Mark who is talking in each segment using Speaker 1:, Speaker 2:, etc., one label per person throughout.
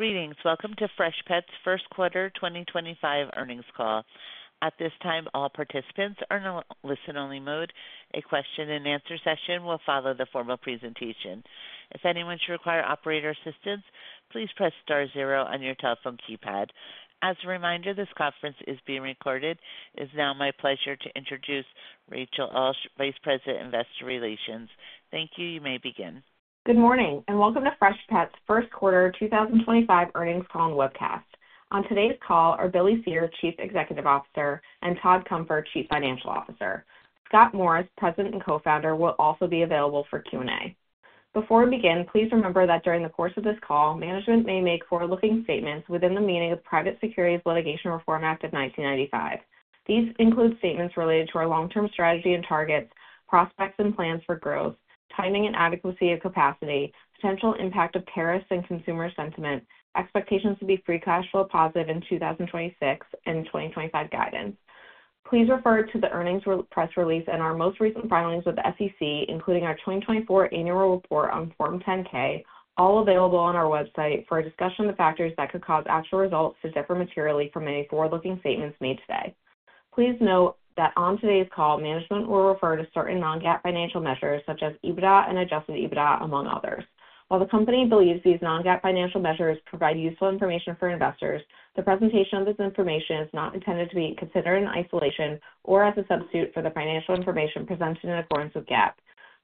Speaker 1: Greetings. Welcome to Freshpet's First Quarter 2025 Earnings Call. At this time, all participants are in a listen-only mode. A question-and-answer session will follow the formal presentation. If anyone should require operator assistance, please press star zero on your telephone keypad. As a reminder, this conference is being recorded. It is now my pleasure to introduce Rachel Ulsh, Vice President of Investor Relations. Thank you. You may begin.
Speaker 2: Good morning and welcome to Freshpet's First Quarter 2025 Earnings Call and Webcast. On today's call are Billy Cyr, Chief Executive Officer, and Todd Cunfer, Chief Financial Officer. Scott Morris, President and Co-Founder, will also be available for Q&A. Before we begin, please remember that during the course of this call, management may make forward-looking statements within the meaning of the Private Securities Litigation Reform Act of 1995. These include statements related to our long-term strategy and targets, prospects and plans for growth, timing and adequacy of capacity, potential impact of tariffs and consumer sentiment, expectations to be free cash flow positive in 2026 and 2025 guidance. Please refer to the earnings press release and our most recent filings with the SEC, including our 2024 annual report on Form 10-K, all available on our website for a discussion of the factors that could cause actual results to differ materially from any forward-looking statements made today. Please note that on today's call, management will refer to certain non-GAAP financial measures such as EBITDA and adjusted EBITDA, among others. While the company believes these non-GAAP financial measures provide useful information for investors, the presentation of this information is not intended to be considered in isolation or as a substitute for the financial information presented in accordance with GAAP.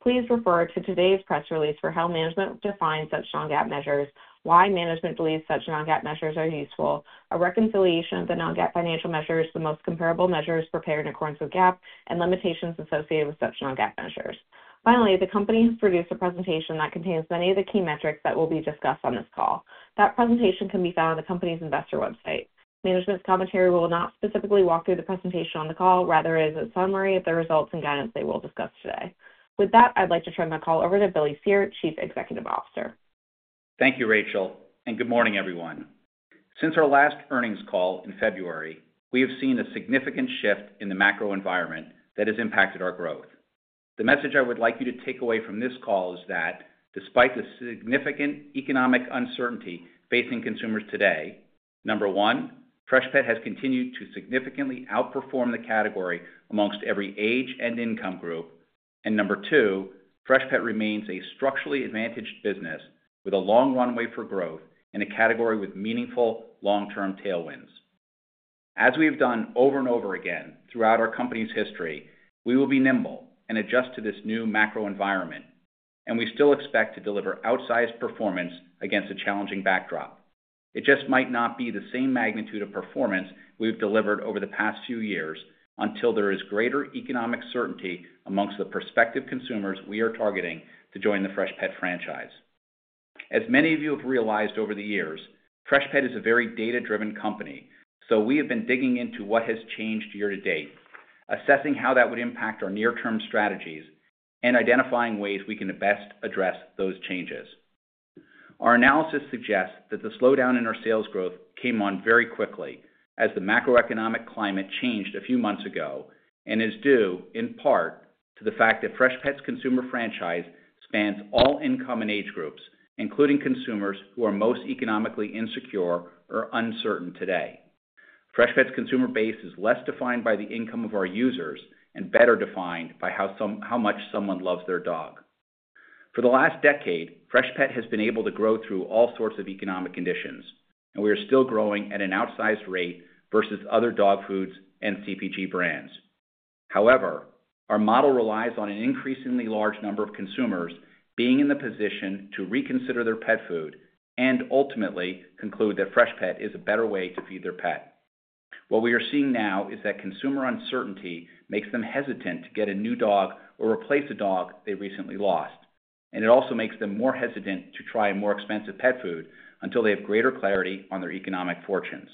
Speaker 2: Please refer to today's press release for how management defines such non-GAAP measures, why management believes such non-GAAP measures are useful, a reconciliation of the non-GAAP financial measures, the most comparable measures prepared in accordance with GAAP, and limitations associated with such non-GAAP measures. Finally, the company has produced a presentation that contains many of the key metrics that will be discussed on this call. That presentation can be found on the company's investor website. Management's commentary will not specifically walk through the presentation on the call. Rather, it is a summary of the results and guidance they will discuss today. With that, I'd like to turn the call over to Billy Cyr, Chief Executive Officer.
Speaker 3: Thank you, Rachel, and good morning, everyone. Since our last earnings call in February, we have seen a significant shift in the macro environment that has impacted our growth. The message I would like you to take away from this call is that, despite the significant economic uncertainty facing consumers today, number one, Freshpet has continued to significantly outperform the category amongst every age and income group, and number two, Freshpet remains a structurally advantaged business with a long runway for growth in a category with meaningful long-term tailwinds. As we have done over and over again throughout our company's history, we will be nimble and adjust to this new macro environment, and we still expect to deliver outsized performance against a challenging backdrop. It just might not be the same magnitude of performance we've delivered over the past few years until there is greater economic certainty amongst the prospective consumers we are targeting to join the Freshpet franchise. As many of you have realized over the years, Freshpet is a very data-driven company, so we have been digging into what has changed year to date, assessing how that would impact our near-term strategies, and identifying ways we can best address those changes. Our analysis suggests that the slowdown in our sales growth came on very quickly as the macroeconomic climate changed a few months ago and is due, in part, to the fact that Freshpet's consumer franchise spans all income and age groups, including consumers who are most economically insecure or uncertain today. Freshpet's consumer base is less defined by the income of our users and better defined by how much someone loves their dog. For the last decade, Freshpet has been able to grow through all sorts of economic conditions, and we are still growing at an outsized rate versus other dog foods and CPG brands. However, our model relies on an increasingly large number of consumers being in the position to reconsider their pet food and ultimately conclude that Freshpet is a better way to feed their pet. What we are seeing now is that consumer uncertainty makes them hesitant to get a new dog or replace a dog they recently lost, and it also makes them more hesitant to try a more expensive pet food until they have greater clarity on their economic fortunes.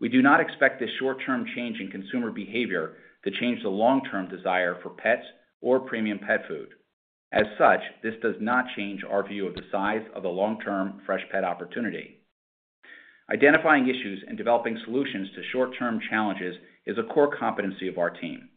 Speaker 3: We do not expect this short-term change in consumer behavior to change the long-term desire for pets or premium pet food. As such, this does not change our view of the size of the long-term Freshpet opportunity. Identifying issues and developing solutions to short-term challenges is a core competency of our team.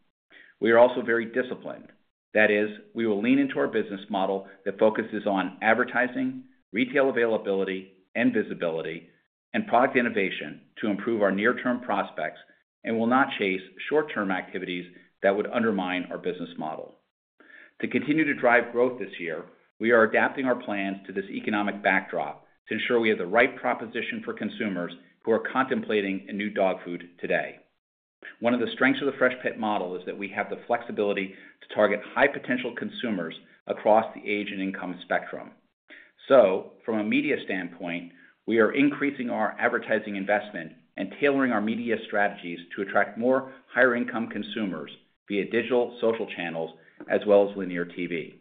Speaker 3: We are also very disciplined. That is, we will lean into our business model that focuses on advertising, retail availability and visibility, and product innovation to improve our near-term prospects and will not chase short-term activities that would undermine our business model. To continue to drive growth this year, we are adapting our plans to this economic backdrop to ensure we have the right proposition for consumers who are contemplating a new dog food today. One of the strengths of the Freshpet model is that we have the flexibility to target high-potential consumers across the age and income spectrum. From a media standpoint, we are increasing our advertising investment and tailoring our media strategies to attract more higher-income consumers via digital social channels as well as linear TV.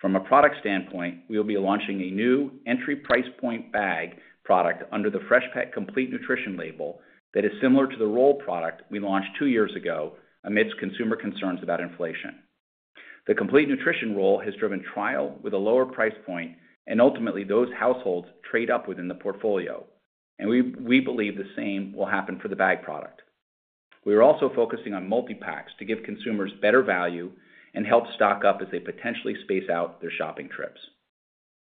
Speaker 3: From a product standpoint, we will be launching a new entry price point bag product under the Freshpet Complete Nutrition label that is similar to the roll product we launched two years ago amidst consumer concerns about inflation. The Complete Nutrition roll has driven trial with a lower price point, and ultimately, those households trade up within the portfolio, and we believe the same will happen for the bag product. We are also focusing on multi-packs to give consumers better value and help stock up as they potentially space out their shopping trips.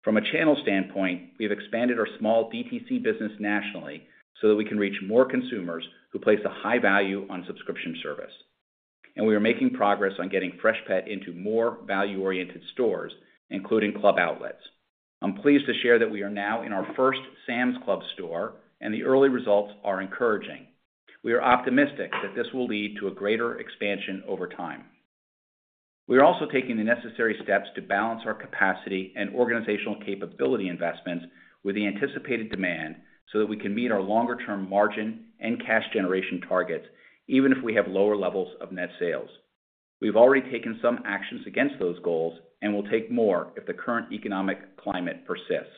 Speaker 3: From a channel standpoint, we have expanded our small DTC business nationally so that we can reach more consumers who place a high value on subscription service, and we are making progress on getting Freshpet into more value-oriented stores, including club outlets. I'm pleased to share that we are now in our first Sam's Club store, and the early results are encouraging. We are optimistic that this will lead to a greater expansion over time. We are also taking the necessary steps to balance our capacity and organizational capability investments with the anticipated demand so that we can meet our longer-term margin and cash generation targets, even if we have lower levels of net sales. We've already taken some actions against those goals and will take more if the current economic climate persists.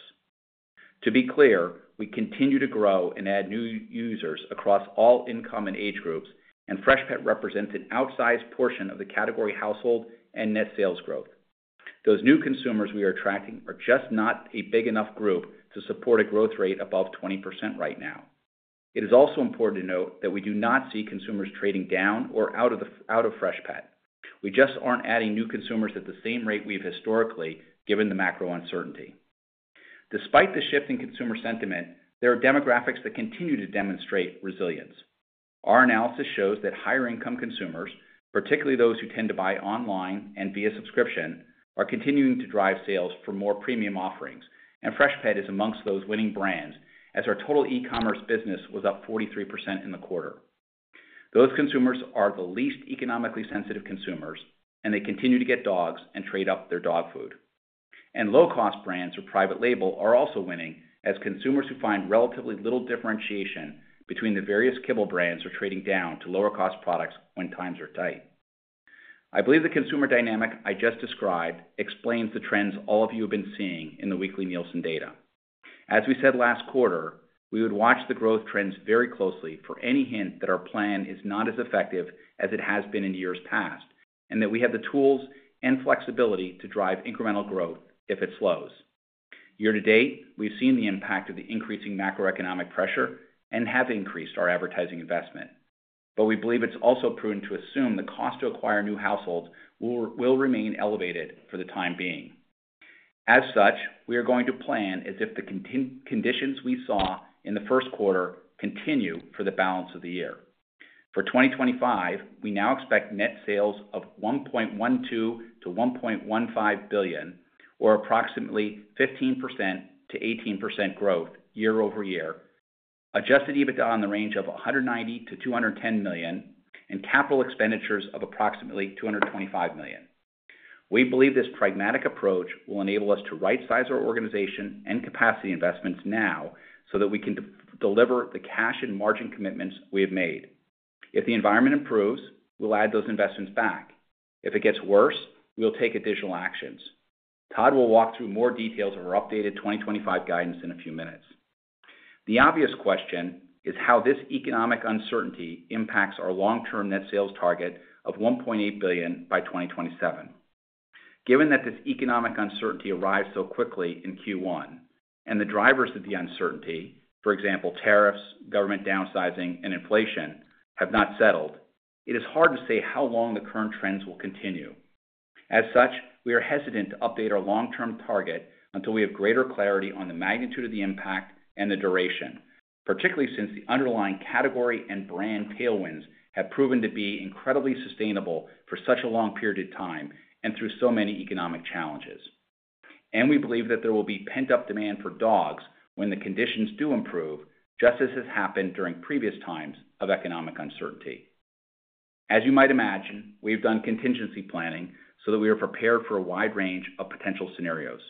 Speaker 3: To be clear, we continue to grow and add new users across all income and age groups, and Freshpet represents an outsized portion of the category household and net sales growth. Those new consumers we are attracting are just not a big enough group to support a growth rate above 20% right now. It is also important to note that we do not see consumers trading down or out of Freshpet. We just aren't adding new consumers at the same rate we've historically given the macro uncertainty. Despite the shift in consumer sentiment, there are demographics that continue to demonstrate resilience. Our analysis shows that higher-income consumers, particularly those who tend to buy online and via subscription, are continuing to drive sales for more premium offerings, and Freshpet is amongst those winning brands as our total e-commerce business was up 43% in the quarter. Those consumers are the least economically sensitive consumers, and they continue to get dogs and trade up their dog food. Low-cost brands or private label are also winning as consumers who find relatively little differentiation between the various kibble brands are trading down to lower-cost products when times are tight. I believe the consumer dynamic I just described explains the trends all of you have been seeing in the weekly Nielsen data. As we said last quarter, we would watch the growth trends very closely for any hint that our plan is not as effective as it has been in years past and that we have the tools and flexibility to drive incremental growth if it slows. Year to date, we've seen the impact of the increasing macroeconomic pressure and have increased our advertising investment, but we believe it's also prudent to assume the cost to acquire new households will remain elevated for the time being. As such, we are going to plan as if the conditions we saw in the first quarter continue for the balance of the year. For 2025, we now expect net sales of $1.12 billion-$1.15 billion, or approximately 15%-18% growth year-over-year, adjusted EBITDA in the range of $190 million-$210 million, and capital expenditures of approximately $225 million. We believe this pragmatic approach will enable us to right-size our organization and capacity investments now so that we can deliver the cash and margin commitments we have made. If the environment improves, we'll add those investments back. If it gets worse, we'll take additional actions. Todd will walk through more details of our updated 2025 guidance in a few minutes. The obvious question is how this economic uncertainty impacts our long-term net sales target of $1.8 billion by 2027. Given that this economic uncertainty arrived so quickly in Q1 and the drivers of the uncertainty, for example, tariffs, government downsizing, and inflation, have not settled, it is hard to say how long the current trends will continue. As such, we are hesitant to update our long-term target until we have greater clarity on the magnitude of the impact and the duration, particularly since the underlying category and brand tailwinds have proven to be incredibly sustainable for such a long period of time and through so many economic challenges. We believe that there will be pent-up demand for dogs when the conditions do improve, just as has happened during previous times of economic uncertainty. As you might imagine, we've done contingency planning so that we are prepared for a wide range of potential scenarios.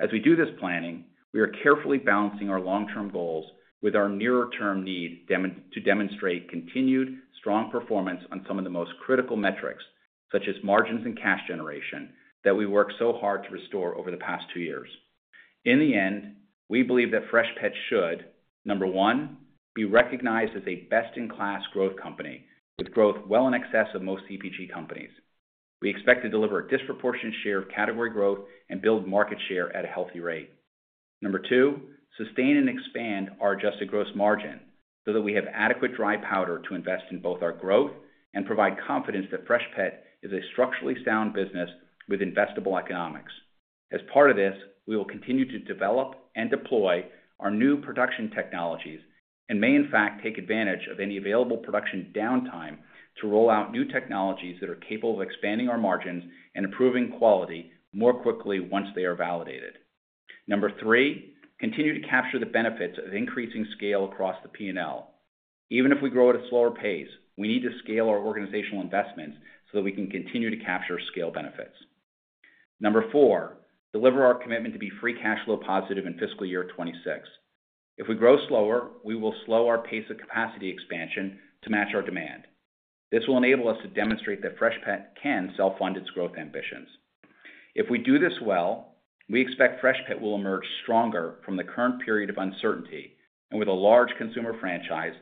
Speaker 3: As we do this planning, we are carefully balancing our long-term goals with our nearer-term need to demonstrate continued strong performance on some of the most critical metrics, such as margins and cash generation, that we worked so hard to restore over the past two years. In the end, we believe that Freshpet should, number one, be recognized as a best-in-class growth company with growth well in excess of most CPG companies. We expect to deliver a disproportionate share of category growth and build market share at a healthy rate. Number two, sustain and expand our adjusted gross margin so that we have adequate dry powder to invest in both our growth and provide confidence that Freshpet is a structurally sound business with investable economics. As part of this, we will continue to develop and deploy our new production technologies and may, in fact, take advantage of any available production downtime to roll out new technologies that are capable of expanding our margins and improving quality more quickly once they are validated. Number three, continue to capture the benefits of increasing scale across the P&L. Even if we grow at a slower pace, we need to scale our organizational investments so that we can continue to capture scale benefits. Number four, deliver our commitment to be free cash flow positive in fiscal year 2026. If we grow slower, we will slow our pace of capacity expansion to match our demand. This will enable us to demonstrate that Freshpet can self-fund its growth ambitions. If we do this well, we expect Freshpet will emerge stronger from the current period of uncertainty and with a large consumer franchise,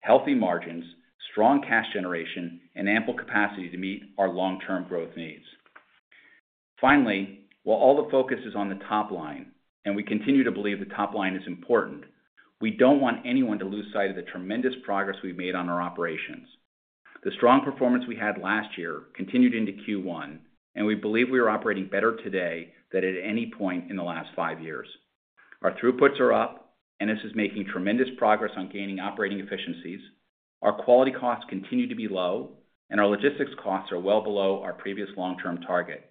Speaker 3: healthy margins, strong cash generation, and ample capacity to meet our long-term growth needs. Finally, while all the focus is on the top line, and we continue to believe the top line is important, we do not want anyone to lose sight of the tremendous progress we have made on our operations. The strong performance we had last year continued into Q1, and we believe we are operating better today than at any point in the last five years. Our throughputs are up, and this is making tremendous progress on gaining operating efficiencies. Our quality costs continue to be low, and our logistics costs are well below our previous long-term target.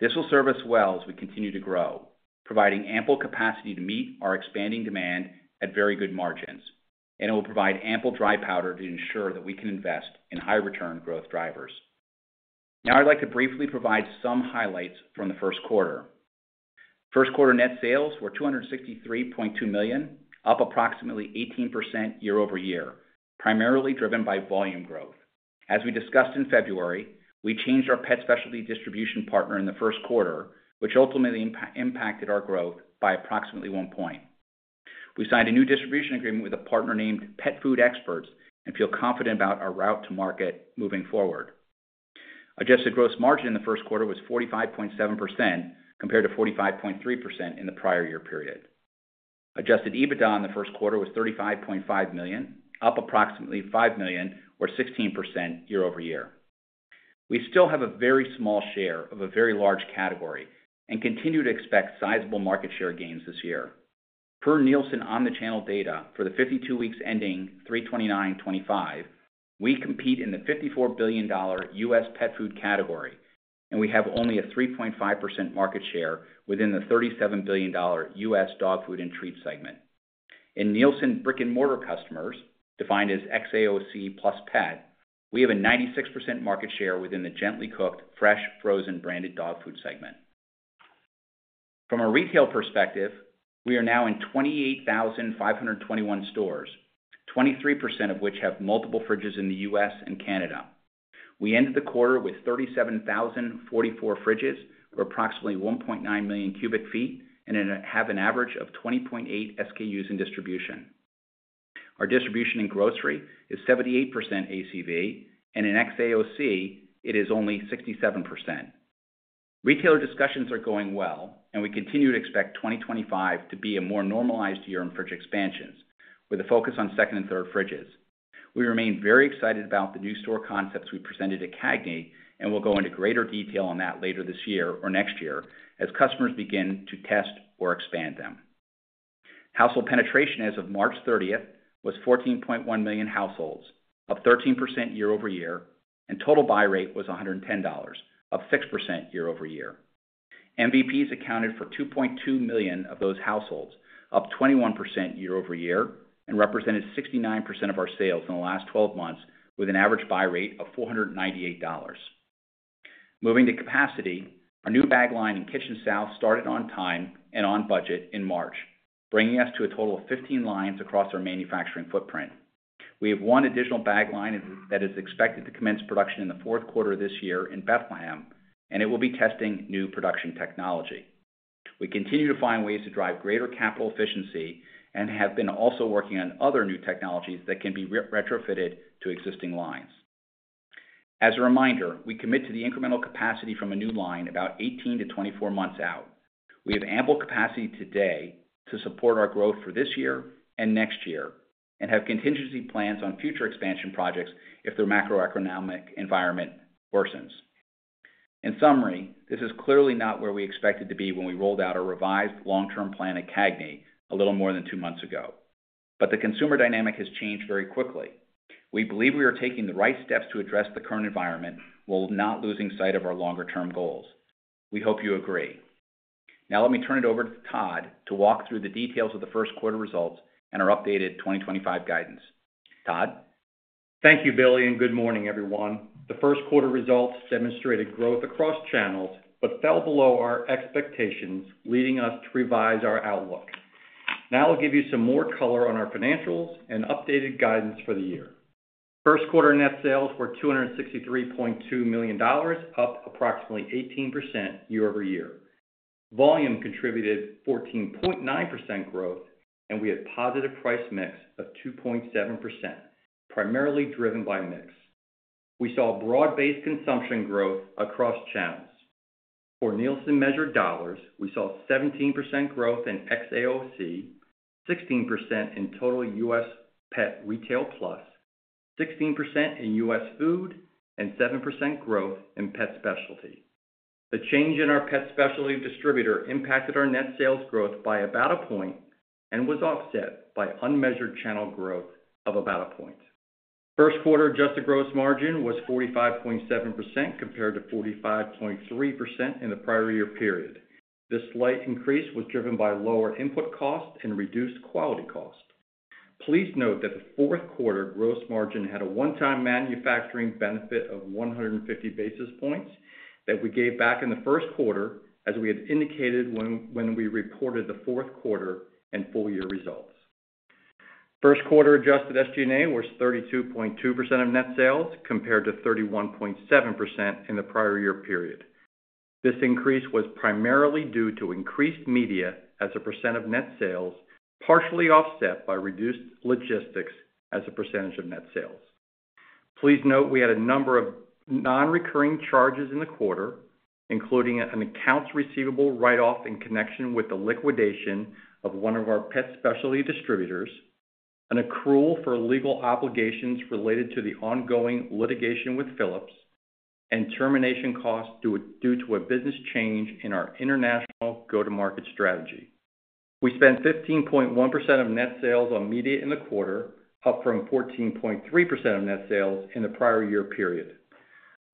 Speaker 3: This will serve us well as we continue to grow, providing ample capacity to meet our expanding demand at very good margins, and it will provide ample dry powder to ensure that we can invest in high-return growth drivers. Now, I'd like to briefly provide some highlights from the first quarter. First quarter net sales were $263.2 million, up approximately 18% year-over-year, primarily driven by volume growth. As we discussed in February, we changed our pet specialty distribution partner in the first quarter, which ultimately impacted our growth by approximately one point. We signed a new distribution agreement with a partner named Pet Food Experts and feel confident about our route to market moving forward. Adjusted gross margin in the first quarter was 45.7% compared to 45.3% in the prior year period. Adjusted EBITDA in the first quarter was $35.5 million, up approximately $5 million or 16% year-over-year. We still have a very small share of a very large category and continue to expect sizable market share gains this year. Per Nielsen Omnichannel data for the 52 weeks ending March 29, 2025, we compete in the $54 billion U.S. pet food category, and we have only a 3.5% market share within the $37 billion U.S. dog food and treat segment. In Nielsen Brick and Mortar customers, defined as XAOC plus pet, we have a 96% market share within the gently cooked, fresh, frozen branded dog food segment. From a retail perspective, we are now in 28,521 stores, 23% of which have multiple fridges in the U.S. and Canada. We ended the quarter with 37,044 fridges or approximately 1.9 million cubic feet and have an average of 20.8 SKUs in distribution. Our distribution in grocery is 78% ACV, and in XAOC, it is only 67%. Retailer discussions are going well, and we continue to expect 2025 to be a more normalized year in fridge expansions with a focus on second and third fridges. We remain very excited about the new store concepts we presented at CAGNY, and we'll go into greater detail on that later this year or next year as customers begin to test or expand them. Household penetration as of March 30th was 14.1 million households, up 13% year-over-year, and total buy rate was $110, up 6% year-over-year. MVPs accounted for 2.2 million of those households, up 21% year-over-year, and represented 69% of our sales in the last 12 months with an average buy rate of $498. Moving to capacity, our new bag line in Kitchen South started on time and on budget in March, bringing us to a total of 15 lines across our manufacturing footprint. We have one additional bag line that is expected to commence production in the fourth quarter of this year in Bethlehem, and it will be testing new production technology. We continue to find ways to drive greater capital efficiency and have been also working on other new technologies that can be retrofitted to existing lines. As a reminder, we commit to the incremental capacity from a new line about 18 to 24 months out. We have ample capacity today to support our growth for this year and next year and have contingency plans on future expansion projects if the macroeconomic environment worsens. In summary, this is clearly not where we expected to be when we rolled out our revised long-term plan at CAGNY a little more than two months ago, but the consumer dynamic has changed very quickly. We believe we are taking the right steps to address the current environment while not losing sight of our longer-term goals. We hope you agree. Now, let me turn it over to Todd to walk through the details of the first quarter results and our updated 2025 guidance. Todd?
Speaker 4: Thank you, Billy, and good morning, everyone. The first quarter results demonstrated growth across channels but fell below our expectations, leading us to revise our outlook. Now, I'll give you some more color on our financials and updated guidance for the year. First quarter net sales were $263.2 million, up approximately 18% year-over-year. Volume contributed 14.9% growth, and we had a positive price mix of 2.7%, primarily driven by mix. We saw broad-based consumption growth across channels. For Nielsen measured dollars, we saw 17% growth in XAOC, 16% in total U.S. pet retail plus, 16% in U.S. food, and 7% growth in pet specialty. The change in our pet specialty distributor impacted our net sales growth by about a point and was offset by unmeasured channel growth of about a point. First quarter adjusted gross margin was 45.7% compared to 45.3% in the prior year period. This slight increase was driven by lower input cost and reduced quality cost. Please note that the fourth quarter gross margin had a one-time manufacturing benefit of 150 basis points that we gave back in the first quarter, as we had indicated when we reported the fourth quarter and full year results. First quarter adjusted SG&A was 32.2% of net sales compared to 31.7% in the prior year period. This increase was primarily due to increased media as a percent of net sales, partially offset by reduced logistics as a percentage of net sales. Please note we had a number of non-recurring charges in the quarter, including an accounts receivable write-off in connection with the liquidation of one of our pet specialty distributors, an accrual for legal obligations related to the ongoing litigation with Philips, and termination costs due to a business change in our international go-to-market strategy. We spent 15.1% of net sales on media in the quarter, up from 14.3% of net sales in the prior year period.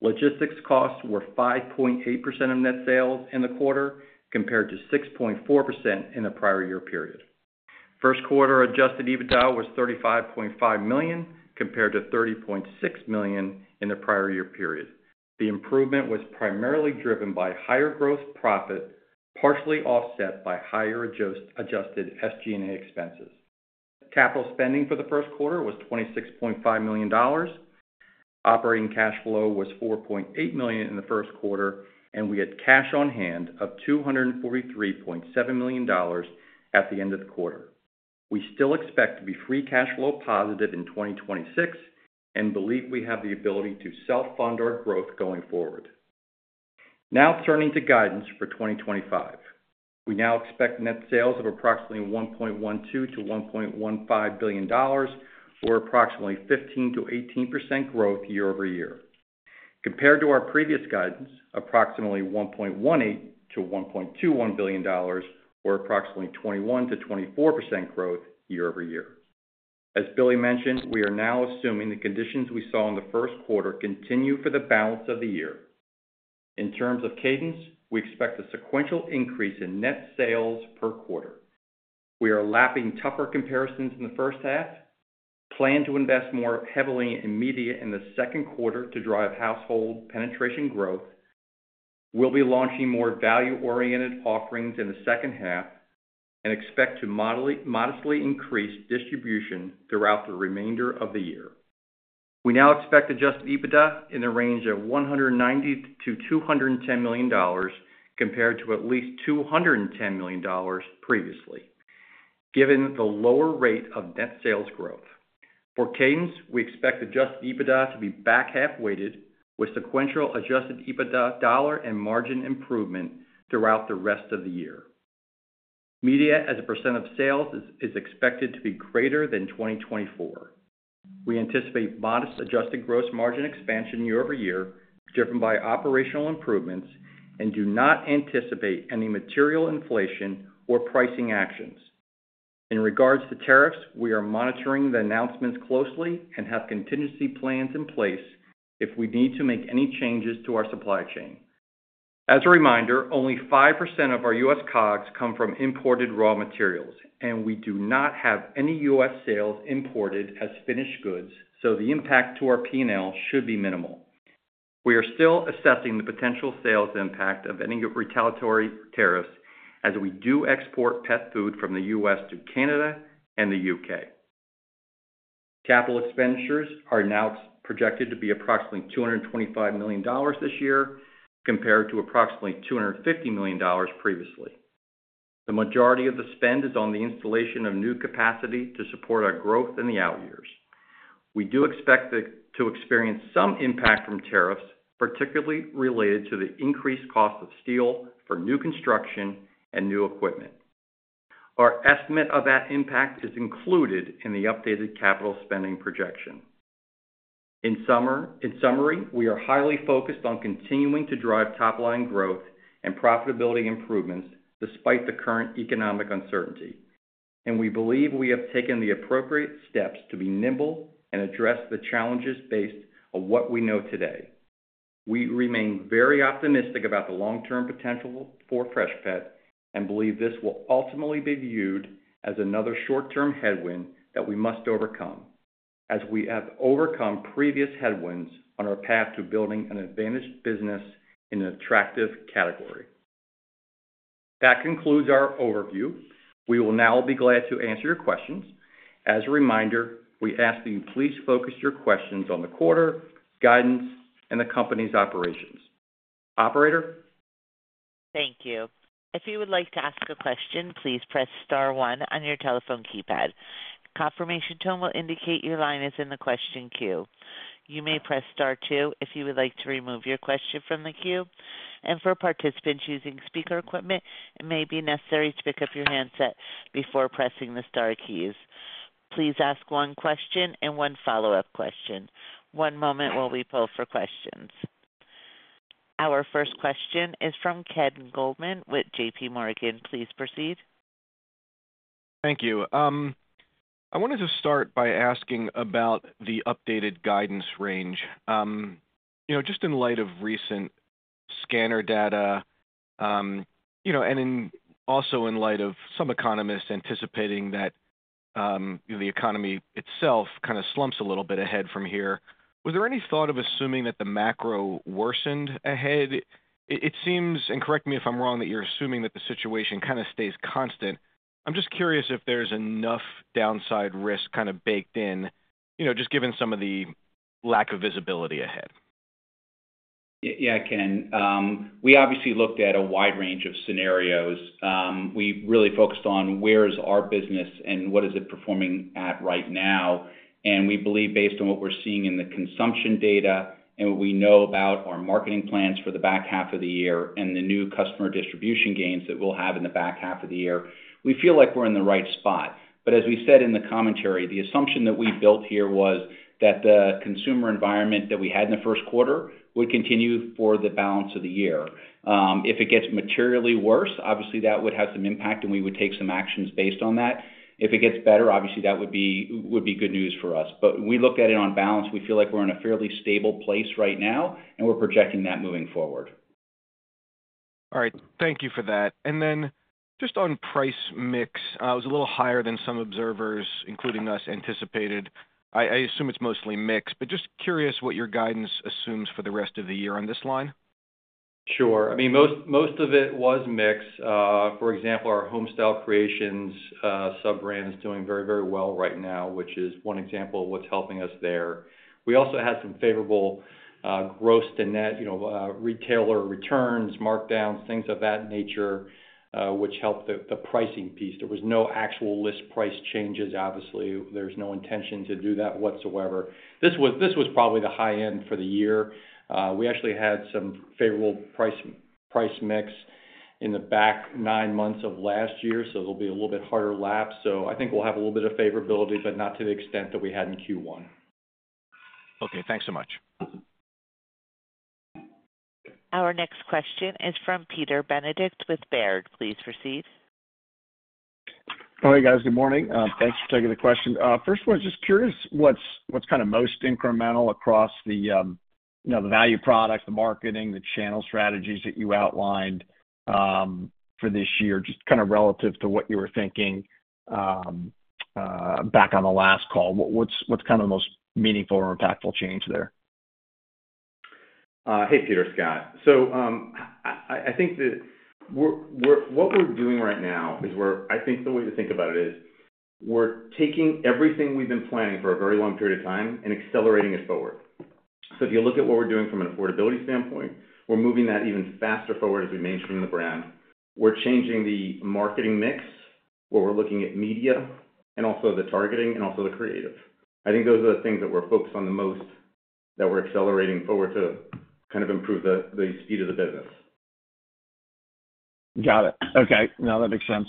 Speaker 4: Logistics costs were 5.8% of net sales in the quarter compared to 6.4% in the prior year period. First quarter adjusted EBITDA was $35.5 million compared to $30.6 million in the prior year period. The improvement was primarily driven by higher gross profit, partially offset by higher adjusted SG&A expenses. Capital spending for the first quarter was $26.5 million. Operating cash flow was $4.8 million in the first quarter, and we had cash on hand of $243.7 million at the end of the quarter. We still expect to be free cash flow positive in 2026 and believe we have the ability to self-fund our growth going forward. Now, turning to guidance for 2025, we now expect net sales of approximately $1.12-$1.15 billion, or approximately 15%-18% growth year-over-year. Compared to our previous guidance, approximately $1.18-$1.21 billion, or approximately 21%-24% growth year-over-year. As Billy mentioned, we are now assuming the conditions we saw in the first quarter continue for the balance of the year. In terms of cadence, we expect a sequential increase in net sales per quarter. We are lapping tougher comparisons in the first half, plan to invest more heavily in media in the second quarter to drive household penetration growth, will be launching more value-oriented offerings in the second half, and expect to modestly increase distribution throughout the remainder of the year. We now expect adjusted EBITDA in the range of $190-$210 million compared to at least $210 million previously, given the lower rate of net sales growth. For cadence, we expect adjusted EBITDA to be back half-weighted with sequential adjusted EBITDA dollar and margin improvement throughout the rest of the year. Media as a percent of sales is expected to be greater than 2024. We anticipate modest adjusted gross margin expansion year-over-year, driven by operational improvements, and do not anticipate any material inflation or pricing actions. In regards to tariffs, we are monitoring the announcements closely and have contingency plans in place if we need to make any changes to our supply chain. As a reminder, only 5% of our U.S. COGS come from imported raw materials, and we do not have any U.S. sales imported as finished goods, so the impact to our P&L should be minimal. We are still assessing the potential sales impact of any retaliatory tariffs as we do export pet food from the U.S. to Canada and the U.K. Capital expenditures are now projected to be approximately $225 million this year compared to approximately $250 million previously. The majority of the spend is on the installation of new capacity to support our growth in the out years. We do expect to experience some impact from tariffs, particularly related to the increased cost of steel for new construction and new equipment. Our estimate of that impact is included in the updated capital spending projection. In summary, we are highly focused on continuing to drive top-line growth and profitability improvements despite the current economic uncertainty, and we believe we have taken the appropriate steps to be nimble and address the challenges based on what we know today. We remain very optimistic about the long-term potential for Freshpet and believe this will ultimately be viewed as another short-term headwind that we must overcome, as we have overcome previous headwinds on our path to building an advantaged business in an attractive category. That concludes our overview. We will now be glad to answer your questions. As a reminder, we ask that you please focus your questions on the quarter, guidance, and the company's operations. Operator?
Speaker 1: Thank you. If you would like to ask a question, please press star one on your telephone keypad. A confirmation tone will indicate your line is in the question queue. You may press star two if you would like to remove your question from the queue. For participants using speaker equipment, it may be necessary to pick up your handset before pressing the star keys. Please ask one question and one follow-up question. One moment while we pull for questions. Our first question is from Ken Goldman with JPMorgan. Please proceed.
Speaker 5: Thank you. I wanted to start by asking about the updated guidance range. Just in light of recent scanner data and also in light of some economists anticipating that the economy itself kind of slumps a little bit ahead from here, was there any thought of assuming that the macro worsened ahead? It seems, and correct me if I'm wrong, that you're assuming that the situation kind of stays constant. I'm just curious if there's enough downside risk kind of baked in, just given some of the lack of visibility ahead.
Speaker 4: Yeah, I can. We obviously looked at a wide range of scenarios. We really focused on where is our business and what is it performing at right now. We believe, based on what we're seeing in the consumption data and what we know about our marketing plans for the back half of the year and the new customer distribution gains that we'll have in the back half of the year, we feel like we're in the right spot. As we said in the commentary, the assumption that we built here was that the consumer environment that we had in the first quarter would continue for the balance of the year. If it gets materially worse, obviously that would have some impact, and we would take some actions based on that. If it gets better, obviously that would be good news for us. We looked at it on balance. We feel like we're in a fairly stable place right now, and we're projecting that moving forward.
Speaker 5: All right. Thank you for that. Just on price mix, it was a little higher than some observers, including us, anticipated. I assume it's mostly mix, but just curious what your guidance assumes for the rest of the year on this line.
Speaker 4: Sure. I mean, most of it was mix. For example, our Homestyle Creations sub-brand is doing very, very well right now, which is one example of what's helping us there. We also had some favorable gross to net retailer returns, markdowns, things of that nature, which helped the pricing piece. There was no actual list price changes, obviously. There's no intention to do that whatsoever. This was probably the high end for the year. We actually had some favorable price mix in the back nine months of last year, so it'll be a little bit harder lap. I think we'll have a little bit of favorability, but not to the extent that we had in Q1.
Speaker 5: Okay. Thanks so much.
Speaker 1: Our next question is from Peter Benedict with Baird. Please proceed.
Speaker 6: Hey, guys. Good morning. Thanks for taking the question. First, I was just curious what's kind of most incremental across the value product, the marketing, the channel strategies that you outlined for this year, just kind of relative to what you were thinking back on the last call. What's kind of the most meaningful or impactful change there?
Speaker 7: Hey, Peter, Scott. I think that what we're doing right now is we're—I think the way to think about it is we're taking everything we've been planning for a very long period of time and accelerating it forward. If you look at what we're doing from an affordability standpoint, we're moving that even faster forward as we mainstream the brand. We're changing the marketing mix, where we're looking at media and also the targeting and also the creative. I think those are the things that we're focused on the most that we're accelerating forward to kind of improve the speed of the business.
Speaker 6: Got it. Okay. No, that makes sense.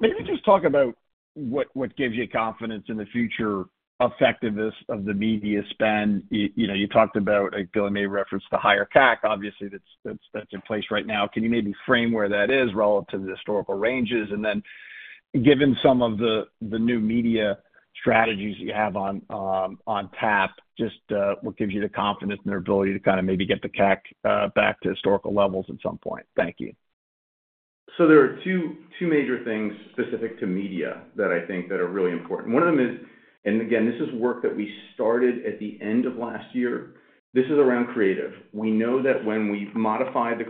Speaker 6: Maybe just talk about what gives you confidence in the future effectiveness of the media spend. You talked about—I think Billy may reference the higher CAC, obviously, that's in place right now. Can you maybe frame where that is relative to the historical ranges? Given some of the new media strategies that you have on tap, just what gives you the confidence and the ability to kind of maybe get the CAC back to historical levels at some point? Thank you.
Speaker 7: There are two major things specific to media that I think are really important. One of them is, and again, this is work that we started at the end of last year, this is around creative. We know that when we modify the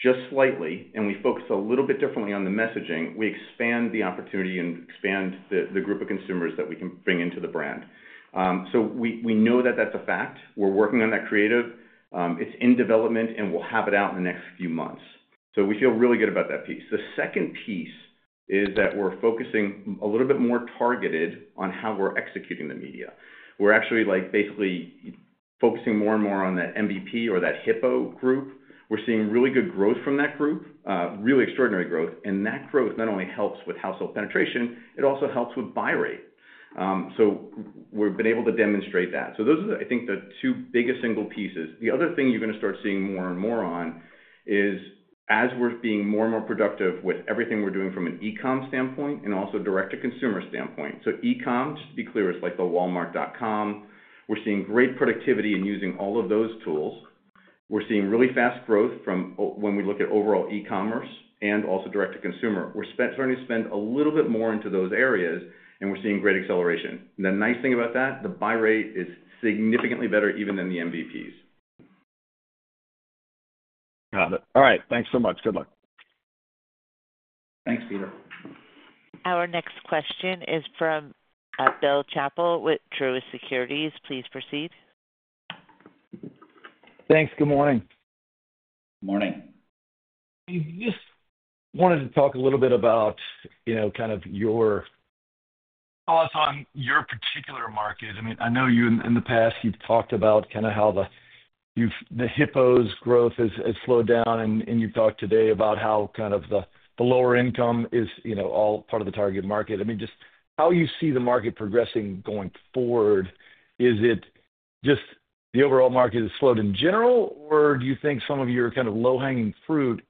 Speaker 7: creative just slightly and we focus a little bit differently on the messaging, we expand the opportunity and expand the group of consumers that we can bring into the brand. We know that that's a fact. We're working on that creative. It's in development, and we'll have it out in the next few months. We feel really good about that piece. The second piece is that we're focusing a little bit more targeted on how we're executing the media. We're actually basically focusing more and more on that MVP or that HIPPO group. We're seeing really good growth from that group, really extraordinary growth. That growth not only helps with household penetration, it also helps with buy rate. We've been able to demonstrate that. Those are, I think, the two biggest single pieces. The other thing you're going to start seeing more and more on is as we're being more and more productive with everything we're doing from an e-com standpoint and also direct-to-consumer standpoint. E-com, just to be clear, is like the Walmart.com. We're seeing great productivity in using all of those tools. We're seeing really fast growth from when we look at overall e-commerce and also direct-to-consumer. We're starting to spend a little bit more into those areas, and we're seeing great acceleration. The nice thing about that, the buy rate is significantly better even than the MVPs.
Speaker 6: Got it. All right. Thanks so much. Good luck.
Speaker 7: Thanks, Peter.
Speaker 1: Our next question is from Bill Chappell with Truist Securities. Please proceed.
Speaker 8: Thanks. Good morning.
Speaker 7: Good morning.
Speaker 8: I just wanted to talk a little bit about kind of your—on your particular market, I mean, I know you in the past, you've talked about kind of how the HIPPO's growth has slowed down, and you've talked today about how kind of the lower income is all part of the target market. I mean, just how you see the market progressing going forward, is it just the overall market has slowed in general, or do you think some of your kind of low-hanging fruit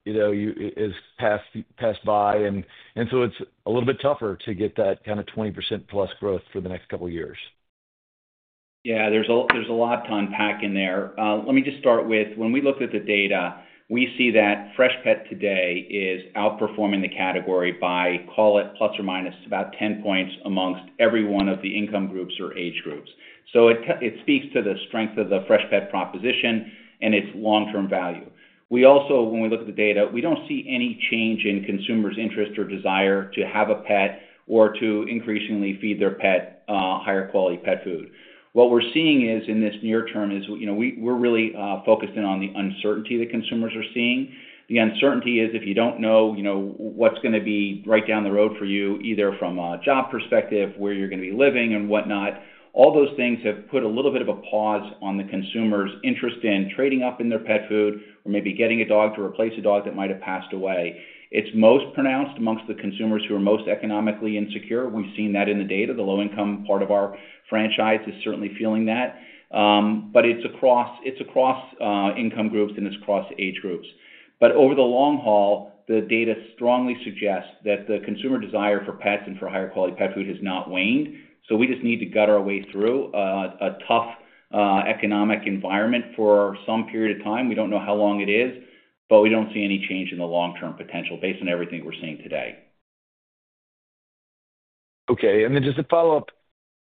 Speaker 8: has passed by, and so it's a little bit tougher to get that kind of 20%+ growth for the next couple of years?
Speaker 4: Yeah. There's a lot to unpack in there. Let me just start with, when we looked at the data, we see that Freshpet today is outperforming the category by, call it plus or minus, about 10 points amongst every one of the income groups or age groups. So it speaks to the strength of the Freshpet proposition and its long-term value. We also, when we look at the data, we don't see any change in consumers' interest or desire to have a pet or to increasingly feed their pet higher-quality pet food. What we're seeing in this near term is we're really focused in on the uncertainty that consumers are seeing. The uncertainty is if you don't know what's going to be right down the road for you, either from a job perspective, where you're going to be living, and whatnot. All those things have put a little bit of a pause on the consumer's interest in trading up in their pet food or maybe getting a dog to replace a dog that might have passed away. It's most pronounced amongst the consumers who are most economically insecure. We've seen that in the data. The low-income part of our franchise is certainly feeling that. It is across income groups, and it is across age groups. Over the long haul, the data strongly suggests that the consumer desire for pets and for higher-quality pet food has not waned. We just need to gut our way through a tough economic environment for some period of time. We do not know how long it is, but we do not see any change in the long-term potential based on everything we are seeing today.
Speaker 8: Okay. Just to follow up,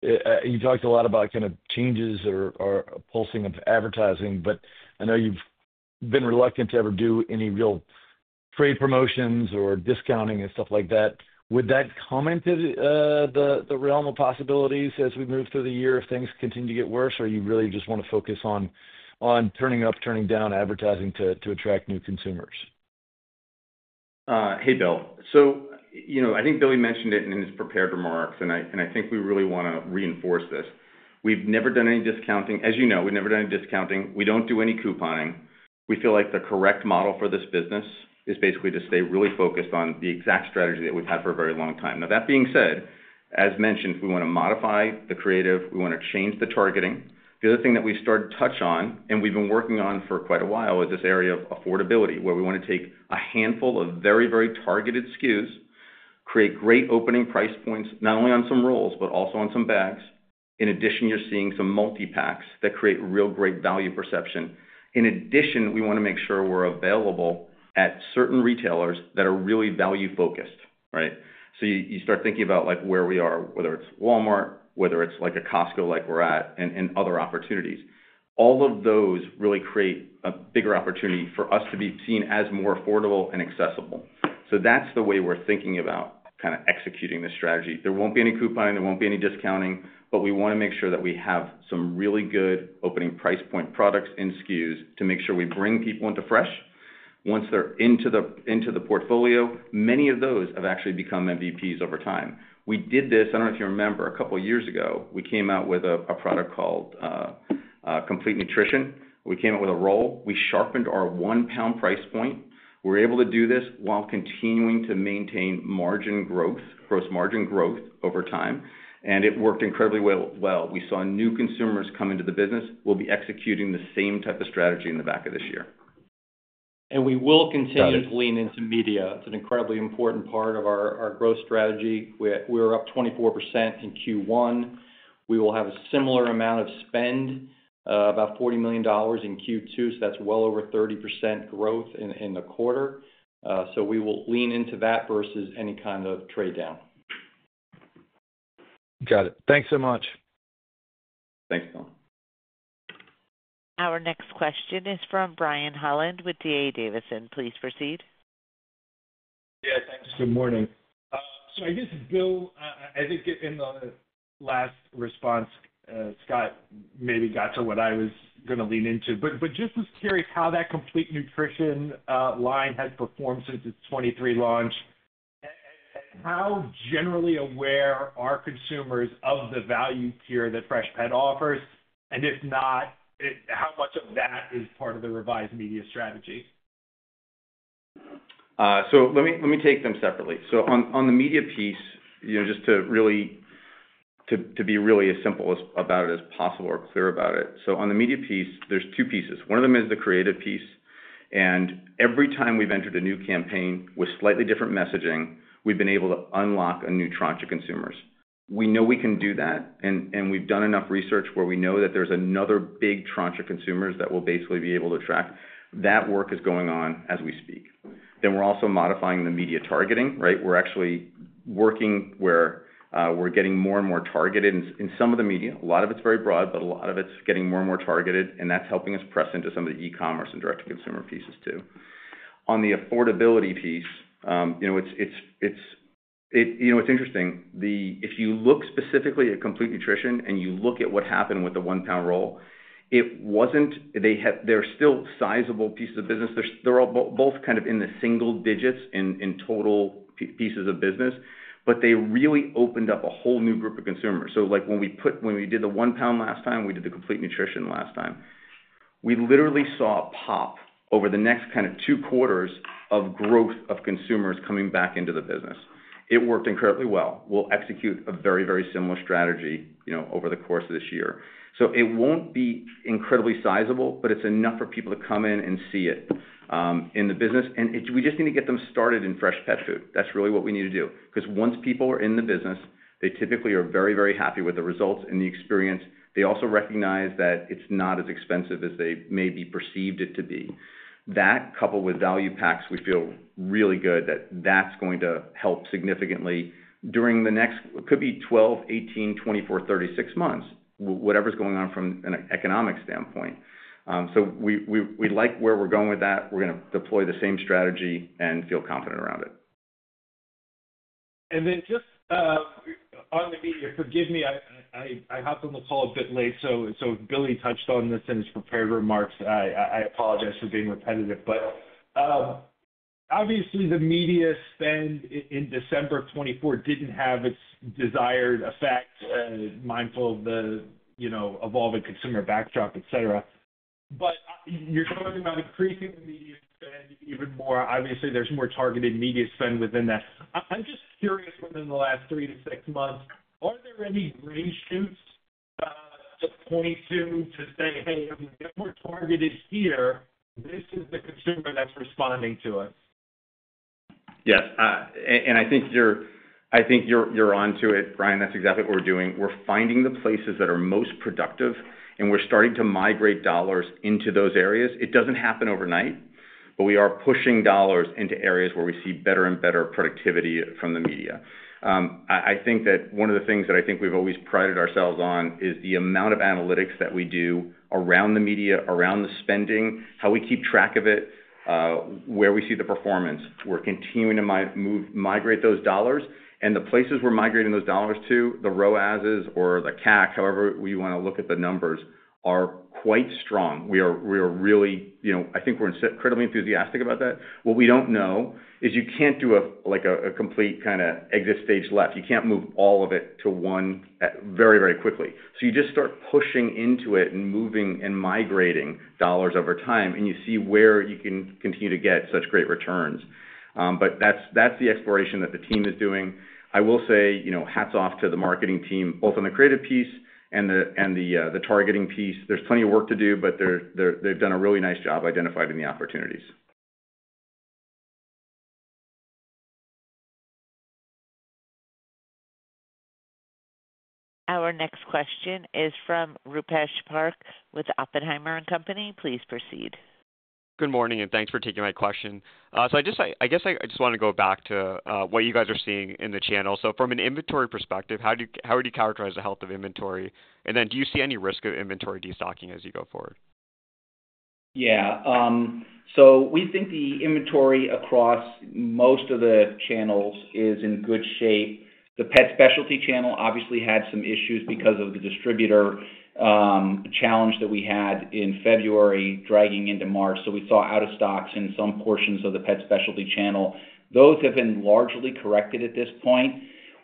Speaker 8: you talked a lot about kind of changes or pulsing of advertising, but I know you have been reluctant to ever do any real trade promotions or discounting and stuff like that. Would that come into the realm of possibilities as we move through the year if things continue to get worse, or do you really just want to focus on turning up, turning down advertising to attract new consumers?
Speaker 7: Hey, Bill. I think Billy mentioned it in his prepared remarks, and I think we really want to reinforce this. We have never done any discounting. As you know, we have never done any discounting. We don't do any couponing. We feel like the correct model for this business is basically to stay really focused on the exact strategy that we've had for a very long time. Now, that being said, as mentioned, we want to modify the creative. We want to change the targeting. The other thing that we've started to touch on, and we've been working on for quite a while, is this area of affordability, where we want to take a handful of very, very targeted SKUs, create great opening price points, not only on some rolls, but also on some bags. In addition, you're seeing some multi-packs that create real great value perception. In addition, we want to make sure we're available at certain retailers that are really value-focused, right? You start thinking about where we are, whether it's Walmart, whether it's a Costco like we're at, and other opportunities. All of those really create a bigger opportunity for us to be seen as more affordable and accessible. That is the way we're thinking about kind of executing this strategy. There won't be any couponing. There won't be any discounting, but we want to make sure that we have some really good opening price point products and SKUs to make sure we bring people into Freshpet. Once they're into the portfolio, many of those have actually become MVPs over time. We did this—I don't know if you remember—a couple of years ago, we came out with a product called Complete Nutrition. We came out with a roll. We sharpened our one-pound price point. We're able to do this while continuing to maintain margin growth, gross margin growth over time. It worked incredibly well. We saw new consumers come into the business. We'll be executing the same type of strategy in the back of this year.
Speaker 4: We will continue to lean into media. It's an incredibly important part of our growth strategy. We're up 24% in Q1. We will have a similar amount of spend, about $40 million in Q2, so that's well over 30% growth in the quarter. We will lean into that versus any kind of trade down.
Speaker 8: Got it. Thanks so much.
Speaker 7: Thanks, Bill.
Speaker 1: Our next question is from Brian Holland with D.A. Davidson. Please proceed.
Speaker 9: Yeah. Thanks. Good morning. I guess, Bill, I think in the last response, Scott maybe got to what I was going to lean into. Just was curious how that Complete Nutrition line has performed since its 2023 launch. How generally aware are consumers of the value tier that Freshpet offers?
Speaker 3: If not, how much of that is part of the revised media strategy?
Speaker 7: Let me take them separately. On the media piece, just to be really as simple about it as possible or clear about it. On the media piece, there are two pieces. One of them is the creative piece. Every time we have entered a new campaign with slightly different messaging, we have been able to unlock a new tranche of consumers. We know we can do that, and we have done enough research where we know that there is another big tranche of consumers that we will basically be able to attract. That work is going on as we speak. We are also modifying the media targeting, right? We are actually working where we are getting more and more targeted in some of the media. A lot of it's very broad, but a lot of it's getting more and more targeted, and that's helping us press into some of the e-commerce and direct-to-consumer pieces too. On the affordability piece, it's interesting. If you look specifically at Complete Nutrition and you look at what happened with the one-pound roll, they're still sizable pieces of business. They're both kind of in the single digits in total pieces of business, but they really opened up a whole new group of consumers. When we did the one-pound last time, we did the Complete Nutrition last time, we literally saw a pop over the next kind of two quarters of growth of consumers coming back into the business. It worked incredibly well. We'll execute a very, very similar strategy over the course of this year. It will not be incredibly sizable, but it is enough for people to come in and see it in the business. We just need to get them started in fresh pet food. That is really what we need to do. Because once people are in the business, they typically are very, very happy with the results and the experience. They also recognize that it is not as expensive as they maybe perceived it to be. That, coupled with value packs, we feel really good that that is going to help significantly during the next 12, 18, 24, 36 months, whatever is going on from an economic standpoint. We like where we are going with that. We are going to deploy the same strategy and feel confident around it.
Speaker 9: Just on the media—forgive me, I hopped on the call a bit late. Billy touched on this in his prepared remarks. I apologize for being repetitive. Obviously, the media spend in December 2024 did not have its desired effect, mindful of the evolving consumer backdrop, etc. You are talking about increasing the media spend even more. Obviously, there is more targeted media spend within that. I am just curious, within the last three to six months, are there any green shoots to point to, to say, "Hey, if we get more targeted here, this is the consumer that is responding to us"?
Speaker 7: Yes. I think you are onto it, Brian. That is exactly what we are doing. We are finding the places that are most productive, and we are starting to migrate dollars into those areas. It does not happen overnight, but we are pushing dollars into areas where we see better and better productivity from the media. I think that one of the things that I think we've always prided ourselves on is the amount of analytics that we do around the media, around the spending, how we keep track of it, where we see the performance. We're continuing to migrate those dollars. The places we're migrating those dollars to, the ROAs or the CAC, however we want to look at the numbers, are quite strong. I think we're incredibly enthusiastic about that. What we don't know is you can't do a complete kind of exit stage left. You can't move all of it to one very, very quickly. You just start pushing into it and moving and migrating dollars over time, and you see where you can continue to get such great returns. That is the exploration that the team is doing. I will say hats off to the marketing team, both on the creative piece and the targeting piece. There's plenty of work to do, but they've done a really nice job identified in the opportunities.
Speaker 1: Our next question is from Rupesh Parikh with Oppenheimer & Company. Please proceed.
Speaker 10: Good morning, and thanks for taking my question. I just want to go back to what you guys are seeing in the channel. From an inventory perspective, how would you characterize the health of inventory? Do you see any risk of inventory destocking as you go forward?
Speaker 4: Yeah. We think the inventory across most of the channels is in good shape. The pet specialty channel obviously had some issues because of the distributor challenge that we had in February dragging into March. We saw out of stocks in some portions of the pet specialty channel. Those have been largely corrected at this point.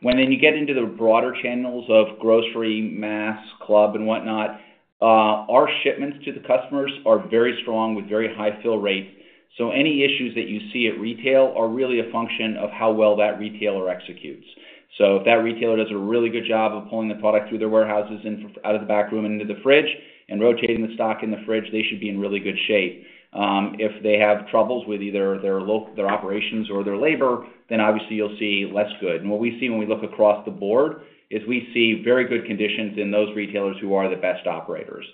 Speaker 4: When you get into the broader channels of grocery, mass, club, and whatnot, our shipments to the customers are very strong with very high fill rates. Any issues that you see at retail are really a function of how well that retailer executes. If that retailer does a really good job of pulling the product through their warehouses and out of the back room and into the fridge and rotating the stock in the fridge, they should be in really good shape. If they have troubles with either their operations or their labor, then obviously you'll see less good. What we see when we look across the board is we see very good conditions in those retailers who are the best operators.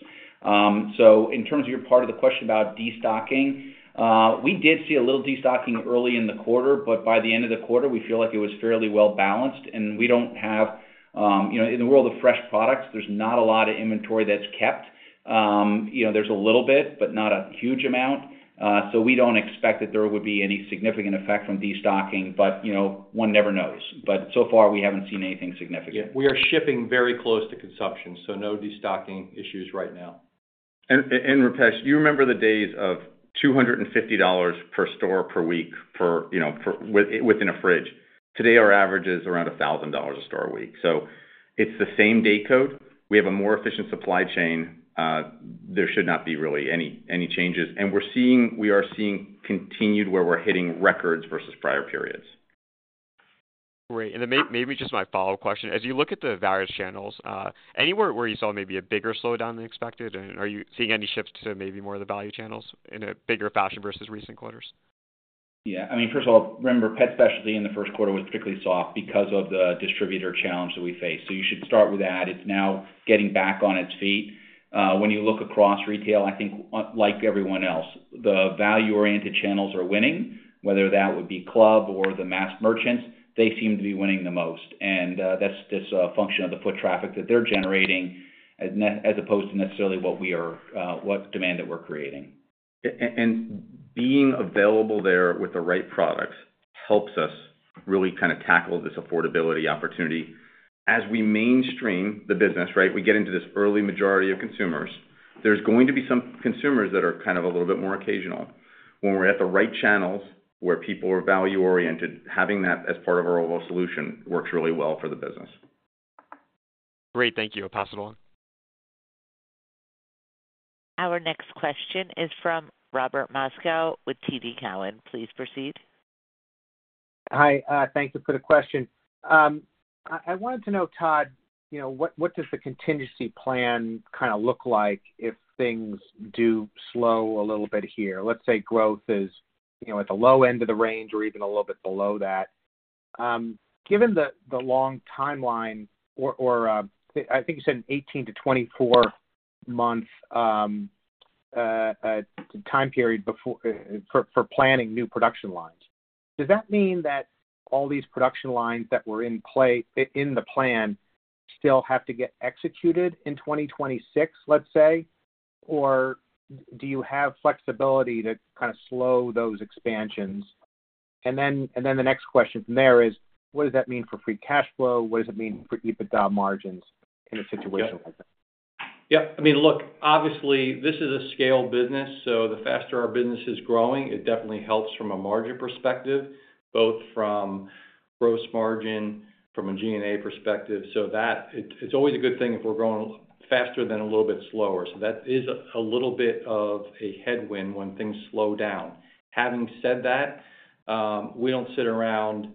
Speaker 4: In terms of your part of the question about destocking, we did see a little destocking early in the quarter, but by the end of the quarter, we feel like it was fairly well balanced. We do not have—in the world of fresh products, there is not a lot of inventory that is kept. There is a little bit, but not a huge amount. We do not expect that there would be any significant effect from destocking, but one never knows. So far, we have not seen anything significant. Yeah. We are shipping very close to consumption, so no destocking issues right now.
Speaker 7: Rupesh, you remember the days of $250 per store per week within a fridge. Today, our average is around $1,000 a store a week. It is the same day code. We have a more efficient supply chain. There should not be really any changes. We are seeing continued where we're hitting records versus prior periods.
Speaker 10: Great. Maybe just my follow-up question. As you look at the value channels, anywhere where you saw maybe a bigger slowdown than expected, are you seeing any shifts to maybe more of the value channels in a bigger fashion versus recent quarters?
Speaker 4: Yeah. First of all, remember, pet specialty in the first quarter was particularly soft because of the distributor challenge that we faced. You should start with that. It is now getting back on its feet. When you look across retail, I think like everyone else, the value-oriented channels are winning, whether that would be club or the mass merchants. They seem to be winning the most. That is just a function of the foot traffic that they are generating as opposed to necessarily what demand that we are creating.
Speaker 3: Being available there with the right products helps us really kind of tackle this affordability opportunity. As we mainstream the business, right, we get into this early majority of consumers. There are going to be some consumers that are kind of a little bit more occasional. When we are at the right channels where people are value-oriented, having that as part of our overall solution works really well for the business.
Speaker 10: Great. Thank you. I'll pass it on.
Speaker 1: Our next question is from Robert Moskow with TD Cowen. Please proceed.
Speaker 11: Hi. Thanks for the question. I wanted to know, Todd, what does the contingency plan kind of look like if things do slow a little bit here? Let's say growth is at the low end of the range or even a little bit below that. Given the long timeline, or I think you said an 18- to 24-month time period for planning new production lines, does that mean that all these production lines that were in the plan still have to get executed in 2026, let's say? Or do you have flexibility to kind of slow those expansions? The next question from there is, what does that mean for free cash flow? What does it mean for EBITDA margins in a situation like that?
Speaker 4: Yeah. I mean, look, obviously, this is a scale business. The faster our business is growing, it definitely helps from a margin perspective, both from gross margin, from a G&A perspective. It is always a good thing if we're growing faster than a little bit slower. That is a little bit of a headwind when things slow down. Having said that, we don't sit around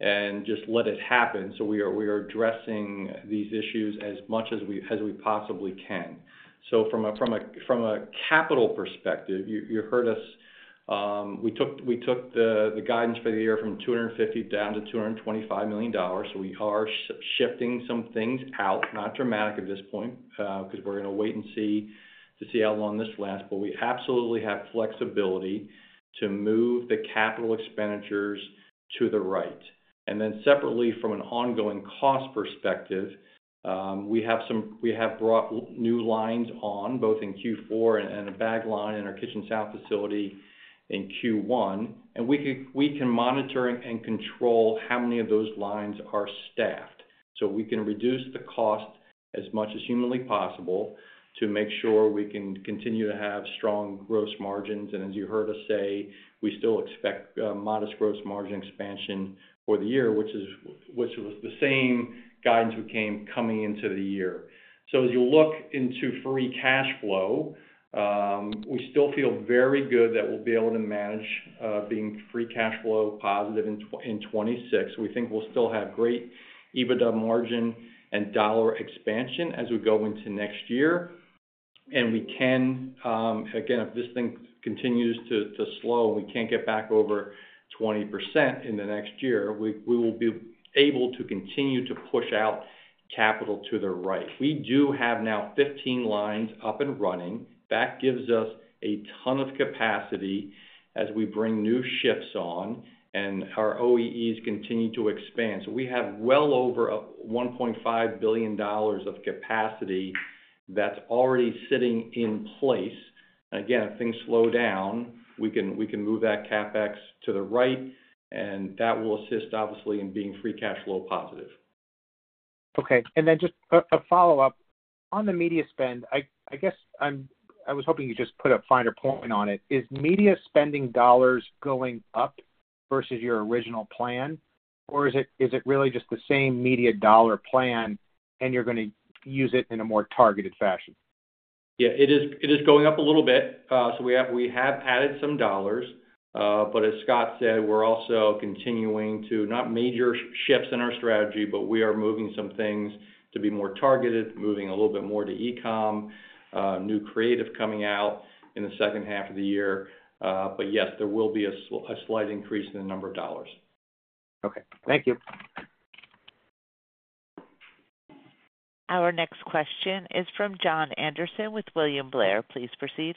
Speaker 4: and just let it happen. We are addressing these issues as much as we possibly can. From a capital perspective, you heard us. We took the guidance for the year from $250 million down to $225 million. We are shifting some things out, not dramatic at this point, because we're going to wait and see how long this lasts. We absolutely have flexibility to move the capital expenditures to the right. Separately, from an ongoing cost perspective, we have brought new lines on, both in Q4 and a bag line in our Kitchen South facility in Q1. We can monitor and control how many of those lines are staffed. We can reduce the cost as much as humanly possible to make sure we can continue to have strong gross margins. As you heard us say, we still expect modest gross margin expansion for the year, which was the same guidance we gave coming into the year. As you look into free cash flow, we still feel very good that we'll be able to manage being free cash flow positive in 2026. We think we'll still have great EBITDA margin and dollar expansion as we go into next year. If this thing continues to slow and we can't get back over 20% in the next year, we will be able to continue to push out capital to the right. We do have now 15 lines up and running. That gives us a ton of capacity as we bring new shifts on, and our OEEs continue to expand. We have well over $1.5 billion of capacity that's already sitting in place. If things slow down, we can move that CapEx to the right, and that will assist, obviously, in being free cash flow positive.
Speaker 11: Okay. Just a follow-up. On the media spend, I was hoping you'd just put a finer point on it. Is media spending dollars going up versus your original plan, or is it really just the same media dollar plan, and you're going to use it in a more targeted fashion?
Speaker 4: Yeah. It is going up a little bit. We have added some dollars. As Scott said, we're also continuing to not major shifts in our strategy, but we are moving some things to be more targeted, moving a little bit more to e-comm, new creative coming out in the second half of the year. Yes, there will be a slight increase in the number of dollars.
Speaker 11: Okay. Thank you.
Speaker 1: Our next question is from Jon Andersen with William Blair. Please proceed.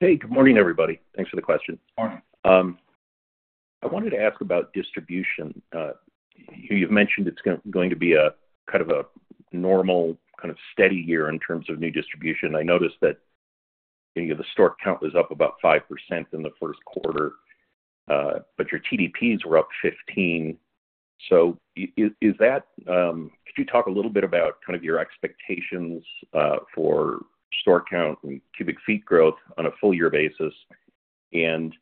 Speaker 12: Hey. Good morning, everybody. Thanks for the question. Morning. I wanted to ask about distribution. You've mentioned it's going to be kind of a normal, kind of steady year in terms of new distribution. I noticed that the store count was up about 5% in the first quarter, but your TDPs were up 15%. Could you talk a little bit about kind of your expectations for store count and cubic feet growth on a full-year basis? Can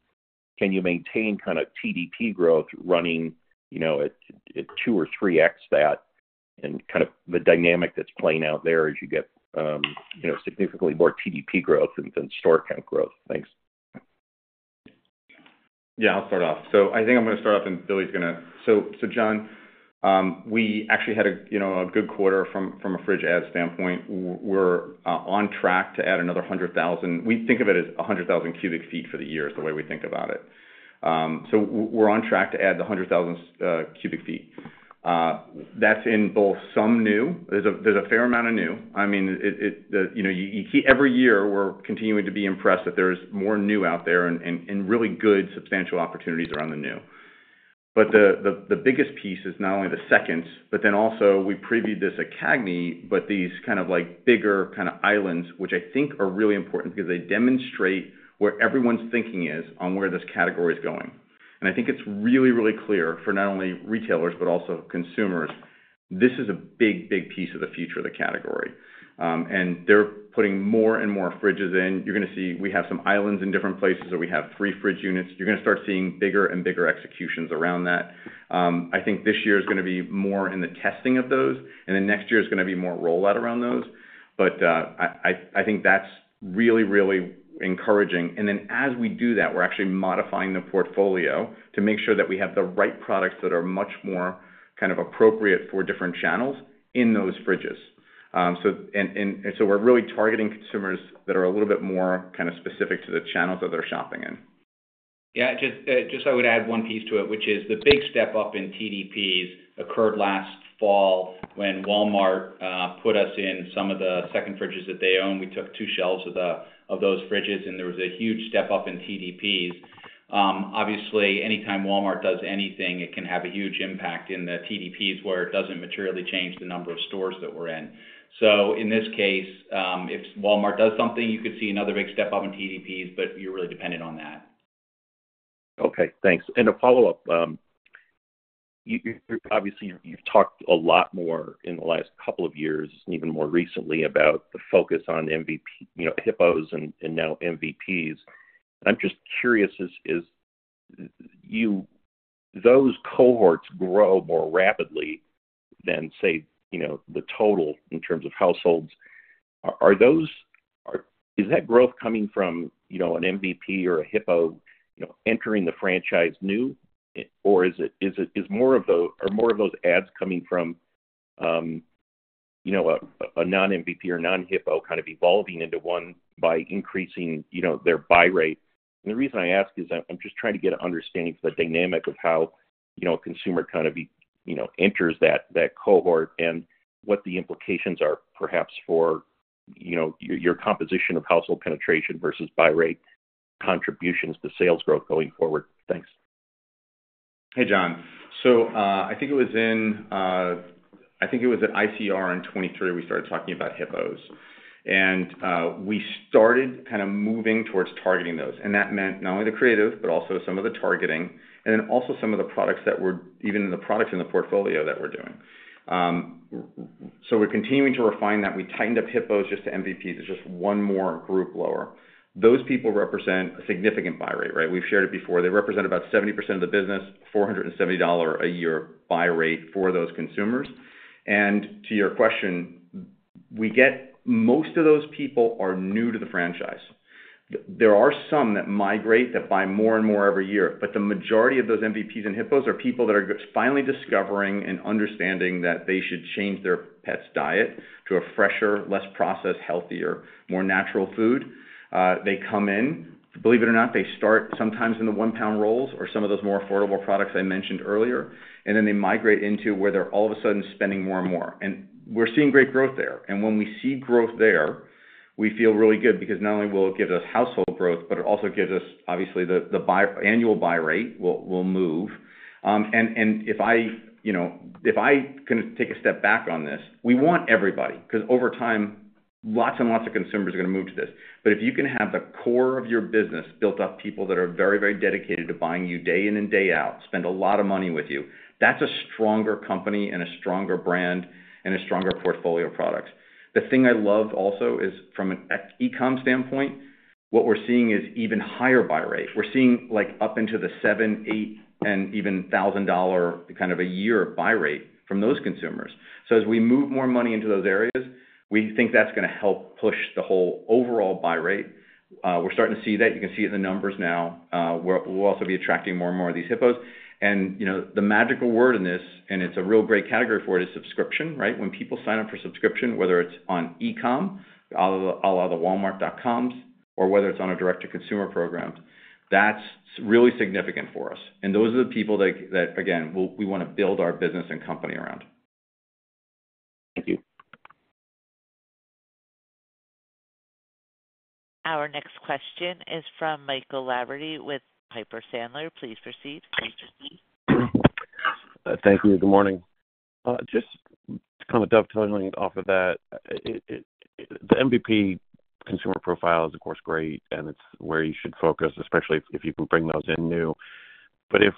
Speaker 12: you maintain kind of TDP growth running at 2 or 3x that? The dynamic that's playing out there as you get significantly more TDP growth than store count growth? Thanks. Yeah. I'll start off.
Speaker 7: I think I'm going to start off, and Billy's going to—John, we actually had a good quarter from a fridge ad standpoint. We're on track to add another 100,000. We think of it as 100,000 cubic feet for the year is the way we think about it. We're on track to add the 100,000 cubic feet. That's in both some new. There's a fair amount of new. I mean, every year, we're continuing to be impressed that there's more new out there and really good substantial opportunities around the new. The biggest piece is not only the second, but then also we previewed this at CAGNY, but these kind of bigger kind of islands, which I think are really important because they demonstrate where everyone's thinking is on where this category is going. I think it's really, really clear for not only retailers but also consumers. This is a big, big piece of the future of the category. They're putting more and more fridges in. You're going to see we have some islands in different places where we have free fridge units. You're going to start seeing bigger and bigger executions around that. I think this year is going to be more in the testing of those, and next year is going to be more rollout around those. I think that's really, really encouraging. As we do that, we're actually modifying the portfolio to make sure that we have the right products that are much more kind of appropriate for different channels in those fridges. We're really targeting consumers that are a little bit more kind of specific to the channels that they're shopping in.
Speaker 4: Yeah. Just I would add one piece to it, which is the big step up in TDPs occurred last fall when Walmart put us in some of the second fridges that they own. We took two shelves of those fridges, and there was a huge step up in TDPs. Obviously, anytime Walmart does anything, it can have a huge impact in the TDPs where it doesn't materially change the number of stores that we're in. In this case, if Walmart does something, you could see another big step up in TDPs, but you're really dependent on that.
Speaker 12: Okay. Thanks. A follow-up. Obviously, you've talked a lot more in the last couple of years, even more recently, about the focus on HIPPOs and now MVPs. I'm just curious, those cohorts grow more rapidly than, say, the total in terms of households. Is that growth coming from an MVP or a HIPPO entering the franchise new, or is more of those ads coming from a non-MVP or non-HIPPO kind of evolving into one by increasing their buy rate? The reason I ask is I'm just trying to get an understanding for the dynamic of how a consumer kind of enters that cohort and what the implications are perhaps for your composition of household penetration versus buy rate contributions to sales growth going forward. Thanks.
Speaker 3: Hey, John. I think it was at ICR in 2023 we started talking about HIPPOs. We started kind of moving towards targeting those. That meant not only the creative but also some of the targeting and then also some of the products that were even in the products in the portfolio that we're doing. We're continuing to refine that. We tightened up HIPPOs just to MVPs. It's just one more group lower. Those people represent a significant buy rate, right? We've shared it before. They represent about 70% of the business, $470 a year buy rate for those consumers. To your question, most of those people are new to the franchise. There are some that migrate that buy more and more every year. The majority of those MVPs and HIPPOs are people that are finally discovering and understanding that they should change their pet's diet to a fresher, less processed, healthier, more natural food. They come in. Believe it or not, they start sometimes in the one-pound rolls or some of those more affordable products I mentioned earlier. Then they migrate into where they're all of a sudden spending more and more. We're seeing great growth there. When we see growth there, we feel really good because not only will it give us household growth, but it also gives us, obviously, the annual buy rate will move. If I can take a step back on this, we want everybody because over time, lots and lots of consumers are going to move to this. If you can have the core of your business built up, people that are very, very dedicated to buying you day in and day out, spend a lot of money with you, that's a stronger company and a stronger brand and a stronger portfolio of products. The thing I love also is from an e-com standpoint, what we're seeing is even higher buy rate. We're seeing up into the 7, 8, and even $1,000 kind of a year buy rate from those consumers. As we move more money into those areas, we think that's going to help push the whole overall buy rate. We're starting to see that. You can see it in the numbers now. We'll also be attracting more and more of these HIPPOs. The magical word in this, and it's a real great category for it, is subscription, right? When people sign up for subscription, whether it's on e-com, a la the walmart.coms, or whether it's on a direct-to-consumer program, that's really significant for us. Those are the people that, again, we want to build our business and company around.
Speaker 12: Thank you.
Speaker 1: Our next question is from Michael Lavery with Piper Sandler. Please proceed.
Speaker 13: Thank you. Good morning. Just kind of dovetailing off of that, the MVP consumer profile is, of course, great, and it's where you should focus, especially if you can bring those in new. If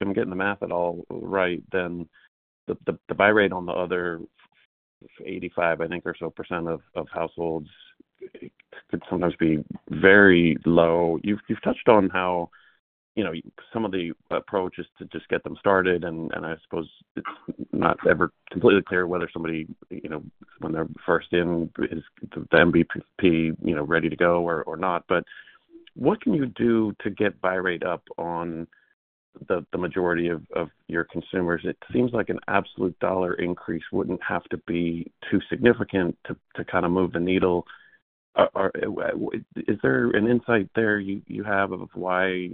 Speaker 13: I'm getting the math at all right, then the buy rate on the other 85% or so of households could sometimes be very low. You've touched on how some of the approach is to just get them started. I suppose it's not ever completely clear whether somebody, when they're first in, is the MVP ready to go or not. What can you do to get buy rate up on the majority of your consumers? It seems like an absolute dollar increase wouldn't have to be too significant to kind of move the needle. Is there an insight there you have of why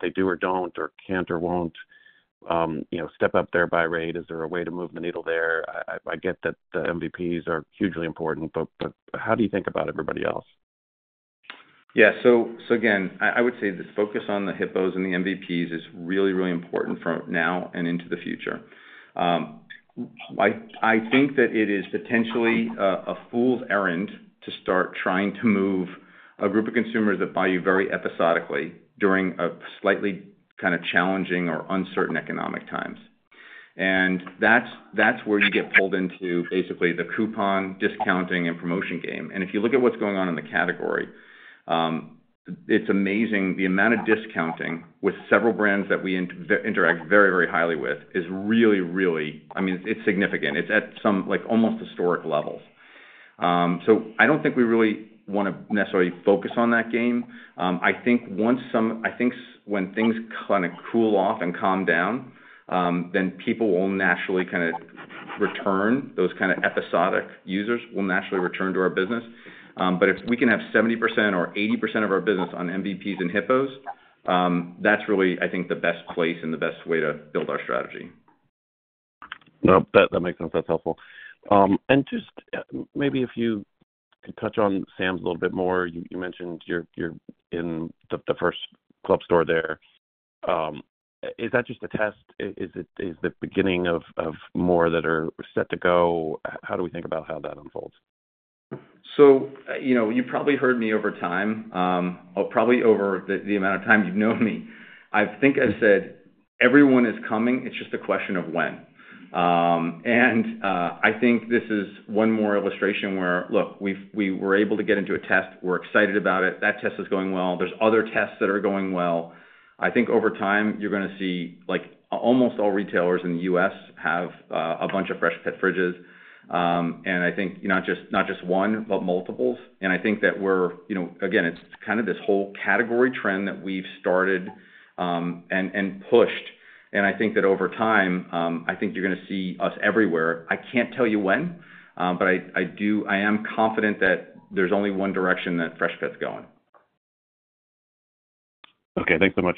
Speaker 13: they do or don't or can't or won't step up their buy rate? Is there a way to move the needle there? I get that the MVPs are hugely important, but how do you think about everybody else?
Speaker 3: Yeah. I would say the focus on the HIPPOs and the MVPs is really, really important for now and into the future. I think that it is potentially a fool's errand to start trying to move a group of consumers that buy you very episodically during slightly kind of challenging or uncertain economic times. That is where you get pulled into basically the coupon discounting and promotion game. If you look at what's going on in the category, it's amazing. The amount of discounting with several brands that we interact very, very highly with is really, really—I mean, it's significant. It's at some almost historic levels. I don't think we really want to necessarily focus on that game. I think once some—I think when things kind of cool off and calm down, then people will naturally kind of return. Those kind of episodic users will naturally return to our business. If we can have 70% or 80% of our business on MVPs and HIPPOs, that's really, I think, the best place and the best way to build our strategy.
Speaker 13: That makes sense. That's helpful. Maybe if you could touch on Sam's a little bit more. You mentioned you're in the first club store there. Is that just a test? Is it the beginning of more that are set to go? How do we think about how that unfolds?
Speaker 3: You've probably heard me over time, probably over the amount of time you've known me. I think I've said everyone is coming. It's just a question of when. I think this is one more illustration where, look, we were able to get into a test. We're excited about it. That test is going well. are other tests that are going well. I think over time, you're going to see almost all retailers in the U.S. have a bunch of Freshpet fridges. I think not just one, but multiples. I think that we are—again, it is kind of this whole category trend that we have started and pushed. I think that over time, I think you're going to see us everywhere. I cannot tell you when, but I am confident that there is only one direction that Freshpet is going.
Speaker 13: Okay. Thanks so much.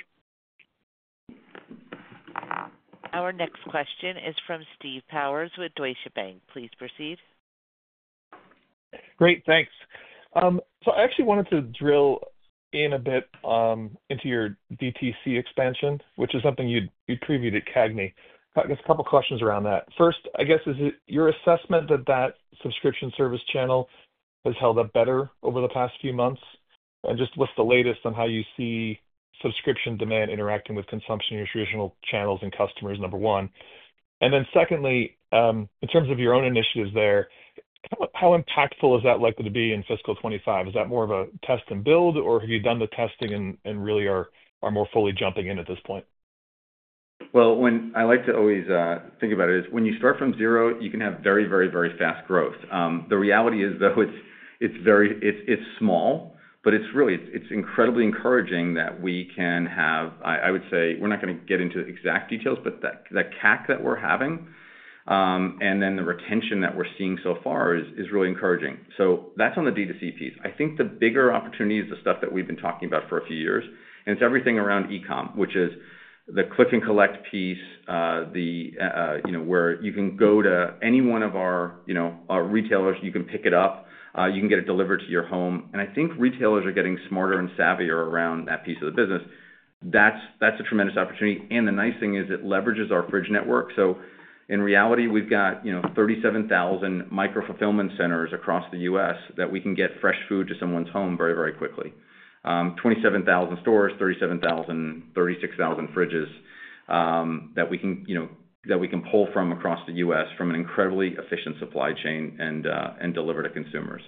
Speaker 1: Our next question is from Steve Powers with Deutsche Bank. Please proceed.
Speaker 14: Great. Thanks. I actually wanted to drill in a bit into your DTC expansion, which is something you previewed at CAGNY. I guess a couple of questions around that. First, I guess, is it your assessment that that subscription service channel has held up better over the past few months? And just what's the latest on how you see subscription demand interacting with consumption and your traditional channels and customers, number one? Secondly, in terms of your own initiatives there, how impactful is that likely to be in fiscal 2025? Is that more of a test and build, or have you done the testing and really are more fully jumping in at this point?
Speaker 3: I like to always think about it as when you start from zero, you can have very, very, very fast growth. The reality is, though, it's small, but it's really, it's incredibly encouraging that we can have, I would say, we're not going to get into exact details, but that CAC that we're having and then the retention that we're seeing so far is really encouraging. That's on the DTC piece. I think the bigger opportunity is the stuff that we've been talking about for a few years. It's everything around e-com, which is the click-and-collect piece, where you can go to any one of our retailers, you can pick it up, you can get it delivered to your home. I think retailers are getting smarter and savvier around that piece of the business. That's a tremendous opportunity. The nice thing is it leverages our fridge network. In reality, we've got 37,000 micro-fulfillment centers across the U.S. that we can get fresh food to someone's home very, very quickly. 27,000 stores, 37,000, 36,000 fridges that we can pull from across the U.S. from an incredibly efficient supply chain and deliver to consumers.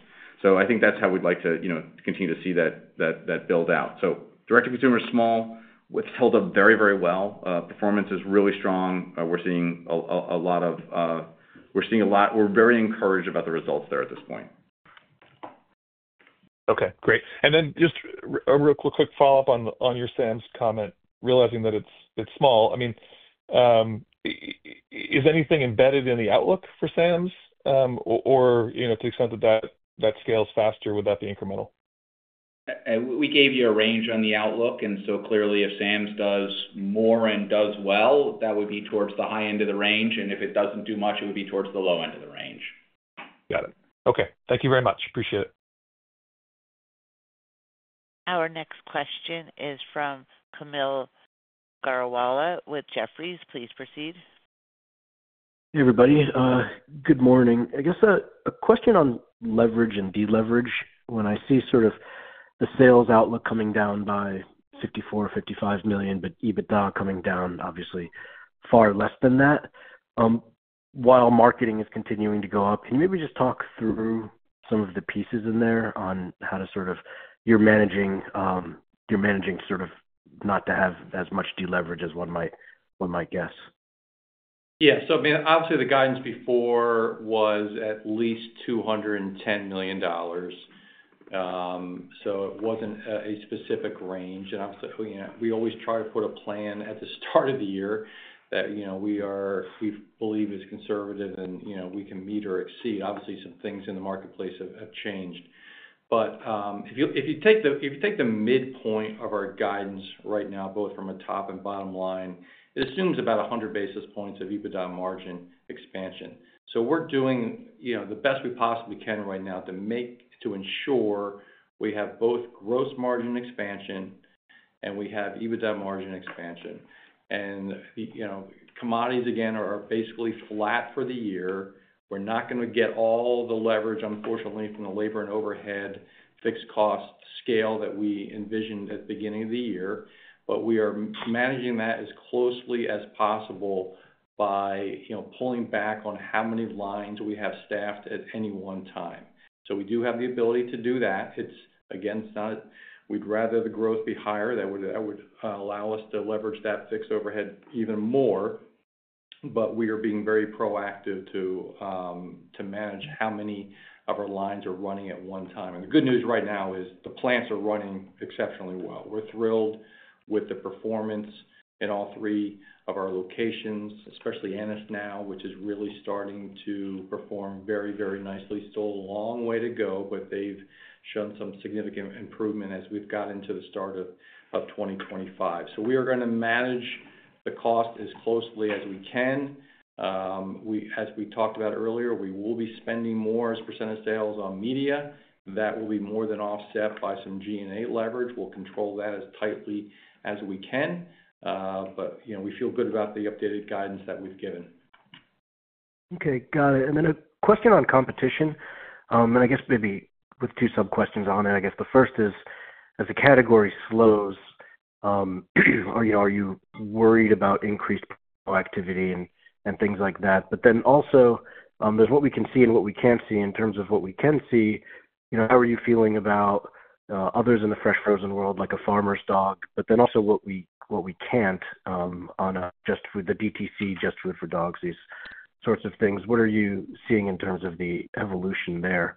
Speaker 3: I think that's how we'd like to continue to see that build out. Direct-to-consumer is small. It's held up very, very well. Performance is really strong. We're seeing a lot of—we're seeing a lot. We're very encouraged about the results there at this point.
Speaker 14: Okay. Great. And then just a real quick follow-up on your Sam's comment, realizing that it's small. I mean, is anything embedded in the outlook for Sam's? Or to the extent that that scales faster, would that be incremental?
Speaker 3: We gave you a range on the outlook. So clearly, if Sam's does more and does well, that would be towards the high end of the range. If it does not do much, it would be towards the low end of the range.
Speaker 14: Got it. Okay. Thank you very much. Appreciate it.
Speaker 1: Our next question is from Camille Gajrawala with Jefferies. Please proceed. Hey, everybody. Good morning. I guess a question on leverage and deleverage. When I see sort of the sales outlook coming down by $54 million or $55 million, but EBITDA coming down, obviously, far less than that, while marketing is continuing to go up, can you maybe just talk through some of the pieces in there on how to sort of—you are managing sort of not to have as much deleverage as one might guess?
Speaker 3: Yeah. I mean, obviously, the guidance before was at least $210 million. It was not a specific range. We always try to put a plan at the start of the year that we believe is conservative and we can meet or exceed. Obviously, some things in the marketplace have changed. If you take the midpoint of our guidance right now, both from a top and bottom line, it assumes about 100 basis points of EBITDA margin expansion. We are doing the best we possibly can right now to ensure we have both gross margin expansion and we have EBITDA margin expansion. Commodities, again, are basically flat for the year. We are not going to get all the leverage, unfortunately, from the labor and overhead fixed cost scale that we envisioned at the beginning of the year. We are managing that as closely as possible by pulling back on how many lines we have staffed at any one time. We do have the ability to do that. Again, we'd rather the growth be higher. That would allow us to leverage that fixed overhead even more. We are being very proactive to manage how many of our lines are running at one time. The good news right now is the plants are running exceptionally well. We're thrilled with the performance in all three of our locations, especially Ennis now, which is really starting to perform very, very nicely. Still a long way to go, but they've shown some significant improvement as we've gotten into the start of 2025. We are going to manage the cost as closely as we can. As we talked about earlier, we will be spending more as a percentage sales on media. That will be more than offset by some G&A leverage. We'll control that as tightly as we can. We feel good about the updated guidance that we've given. Okay. Got it. A question on competition. I guess maybe with two sub-questions on it. The first is, as the category slows, are you worried about increased proactivity and things like that? There is what we can see and what we can't see. In terms of what we can see, how are you feeling about others in the fresh frozen world, like TheFarmer's Dog? Then also what we can't on just with the DTC, JustFoodForDogs, these sorts of things. What are you seeing in terms of the evolution there?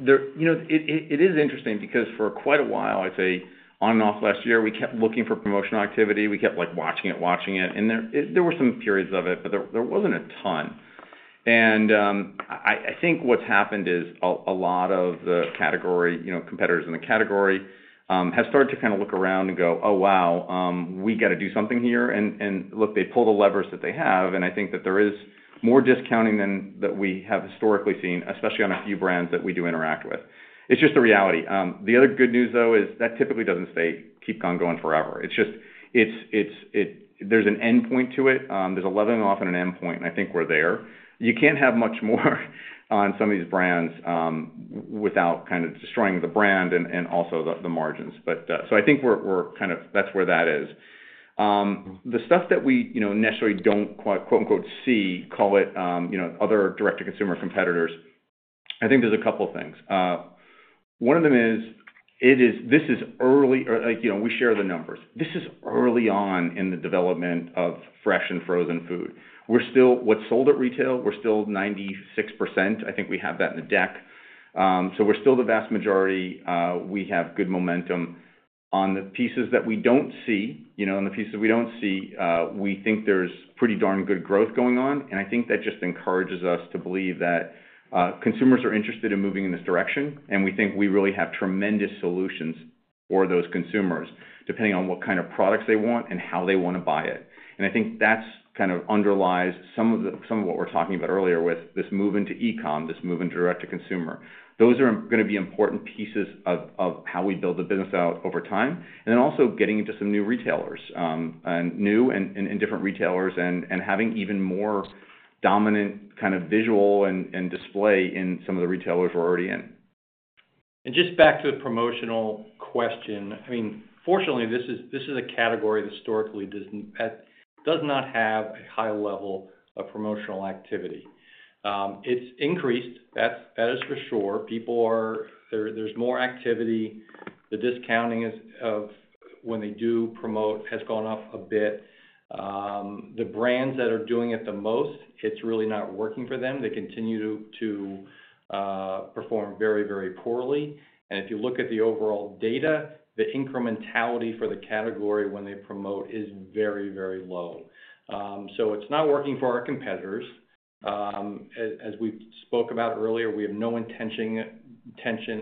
Speaker 3: It is interesting because for quite a while, I'd say on and off last year, we kept looking for promotional activity. We kept watching it, watching it. There were some periods of it, but there was not a ton. I think what has happened is a lot of the category competitors in the category have started to kind of look around and go, "Oh, wow. We got to do something here." Look, they pull the levers that they have. I think that there is more discounting than we have historically seen, especially on a few brands that we do interact with. It is just the reality. The other good news, though, is that typically does not keep going forever. There is an end point to it. There is a lever and often an end point. I think we are there. You cannot have much more on some of these brands without kind of destroying the brand and also the margins. I think that is where that is. The stuff that we initially do not "see," call it other direct-to-consumer competitors, I think there is a couple of things. One of them is this is early, we share the numbers. This is early on in the development of fresh and frozen food. What is sold at retail, we are still 96%. I think we have that in the deck. We are still the vast majority. We have good momentum on the pieces that we do not see. On the pieces we do not see, we think there is pretty darn good growth going on. I think that just encourages us to believe that consumers are interested in moving in this direction. We think we really have tremendous solutions for those consumers, depending on what kind of products they want and how they want to buy it. I think that kind of underlies some of what we were talking about earlier with this move into e-com, this move into direct-to-consumer. Those are going to be important pieces of how we build the business out over time. Also, getting into some new retailers, new and different retailers, and having even more dominant kind of visual and display in some of the retailers we are already in. Just back to the promotional question. I mean, fortunately, this is a category that historically does not have a high level of promotional activity. It has increased. That is for sure. There is more activity. The discounting of when they do promote has gone up a bit. The brands that are doing it the most, it is really not working for them. They continue to perform very, very poorly. If you look at the overall data, the incrementality for the category when they promote is very, very low. It is not working for our competitors. As we spoke about earlier, we have no intention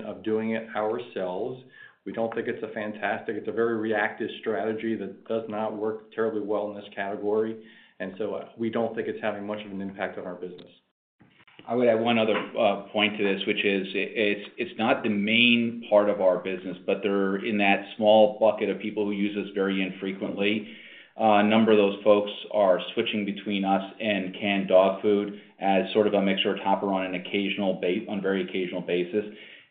Speaker 3: of doing it ourselves. We do not think it is fantastic. It is a very reactive strategy that does not work terribly well in this category. We do not think it is having much of an impact on our business.
Speaker 7: I would add one other point to this, which is it is not the main part of our business, but they are in that small bucket of people who use us very infrequently. A number of those folks are switching between us and canned dog food as sort of a mixer topper on an occasional, on a very occasional basis.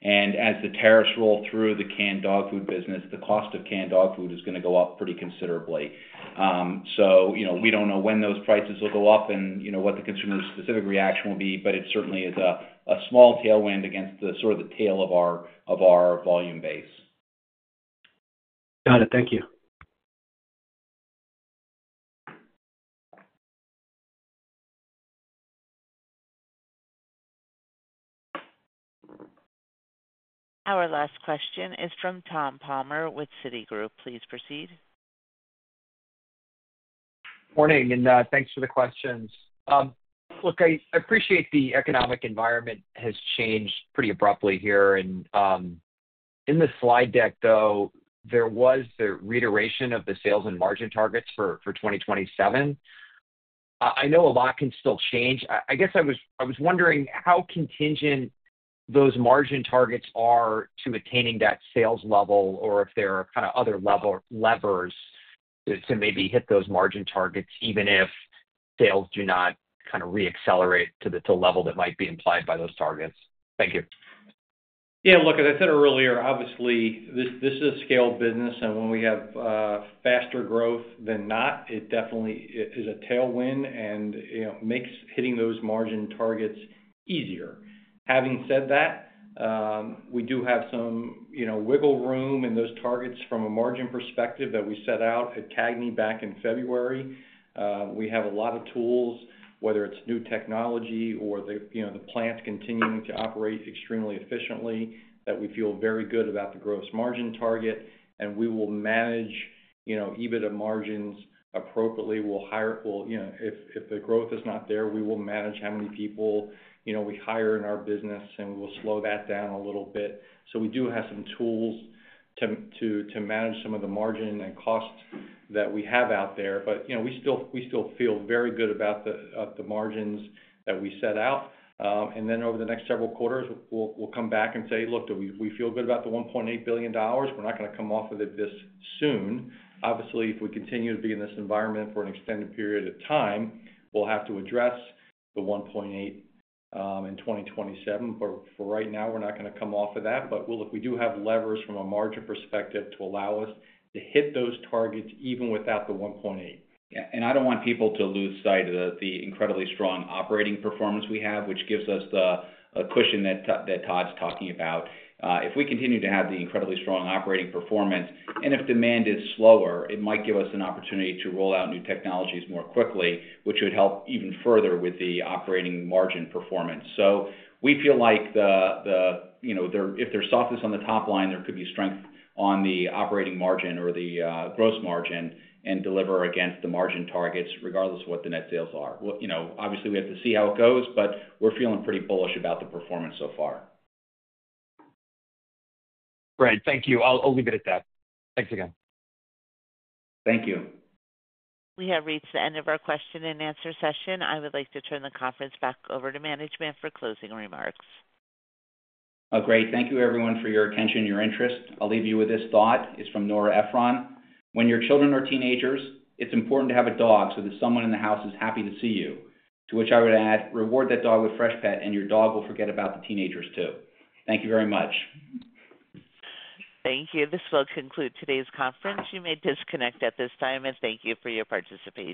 Speaker 7: As the tariffs roll through the canned dog food business, the cost of canned dog food is going to go up pretty considerably. We do not know when those prices will go up and what the consumer's specific reaction will be, but it certainly is a small tailwind against sort of the tail of our volume base.
Speaker 15: Got it. Thank you.
Speaker 1: Our last question is from Tom Palmer with Citigroup. Please proceed.
Speaker 16: Morning. Thanks for the questions. Look, I appreciate the economic environment has changed pretty abruptly here. In the slide deck, though, there was the reiteration of the sales and margin targets for 2027. I know a lot can still change. I guess I was wondering how contingent those margin targets are to attaining that sales level or if there are kind of other levers to maybe hit those margin targets, even if sales do not kind of reaccelerate to the level that might be implied by those targets. Thank you.
Speaker 4: Yeah. Look, as I said earlier, obviously, this is a scaled business. When we have faster growth than not, it definitely is a tailwind and makes hitting those margin targets easier. Having said that, we do have some wiggle room in those targets from a margin perspective that we set out at CAGNY back in February. We have a lot of tools, whether it is new technology or the plants continuing to operate extremely efficiently, that we feel very good about the gross margin target. We will manage EBITDA margins appropriately. We'll hire if the growth is not there, we will manage how many people we hire in our business, and we'll slow that down a little bit. We do have some tools to manage some of the margin and costs that we have out there. We still feel very good about the margins that we set out. Over the next several quarters, we'll come back and say, "Look, we feel good about the $1.8 billion. We're not going to come off of it this soon." Obviously, if we continue to be in this environment for an extended period of time, we'll have to address the $1.8 billion in 2027. For right now, we're not going to come off of that. Look, we do have levers from a margin perspective to allow us to hit those targets even without the $1.8 billion.
Speaker 3: Yeah. I do not want people to lose sight of the incredibly strong operating performance we have, which gives us the cushion that Todd's talking about. If we continue to have the incredibly strong operating performance, and if demand is slower, it might give us an opportunity to roll out new technologies more quickly, which would help even further with the operating margin performance. We feel like if there is softness on the top line, there could be strength on the operating margin or the gross margin and deliver against the margin targets regardless of what the net sales are. Obviously, we have to see how it goes, but we are feeling pretty bullish about the performance so far. Great. Thank you. I will leave it at that. Thanks again. Thank you.
Speaker 1: We have reached the end of our question and answer session. I would like to turn the conference back over to management for closing remarks.
Speaker 3: Oh, great. Thank you, everyone, for your attention and your interest. I'll leave you with this thought. It's from Nora Ephron. When your children are teenagers, it's important to have a dog so that someone in the house is happy to see you, to which I would add, reward that dog with Freshpet, and your dog will forget about the teenagers too. Thank you very much. Thank you. This will conclude today's conference. You may disconnect at this time, and thank you for your participation.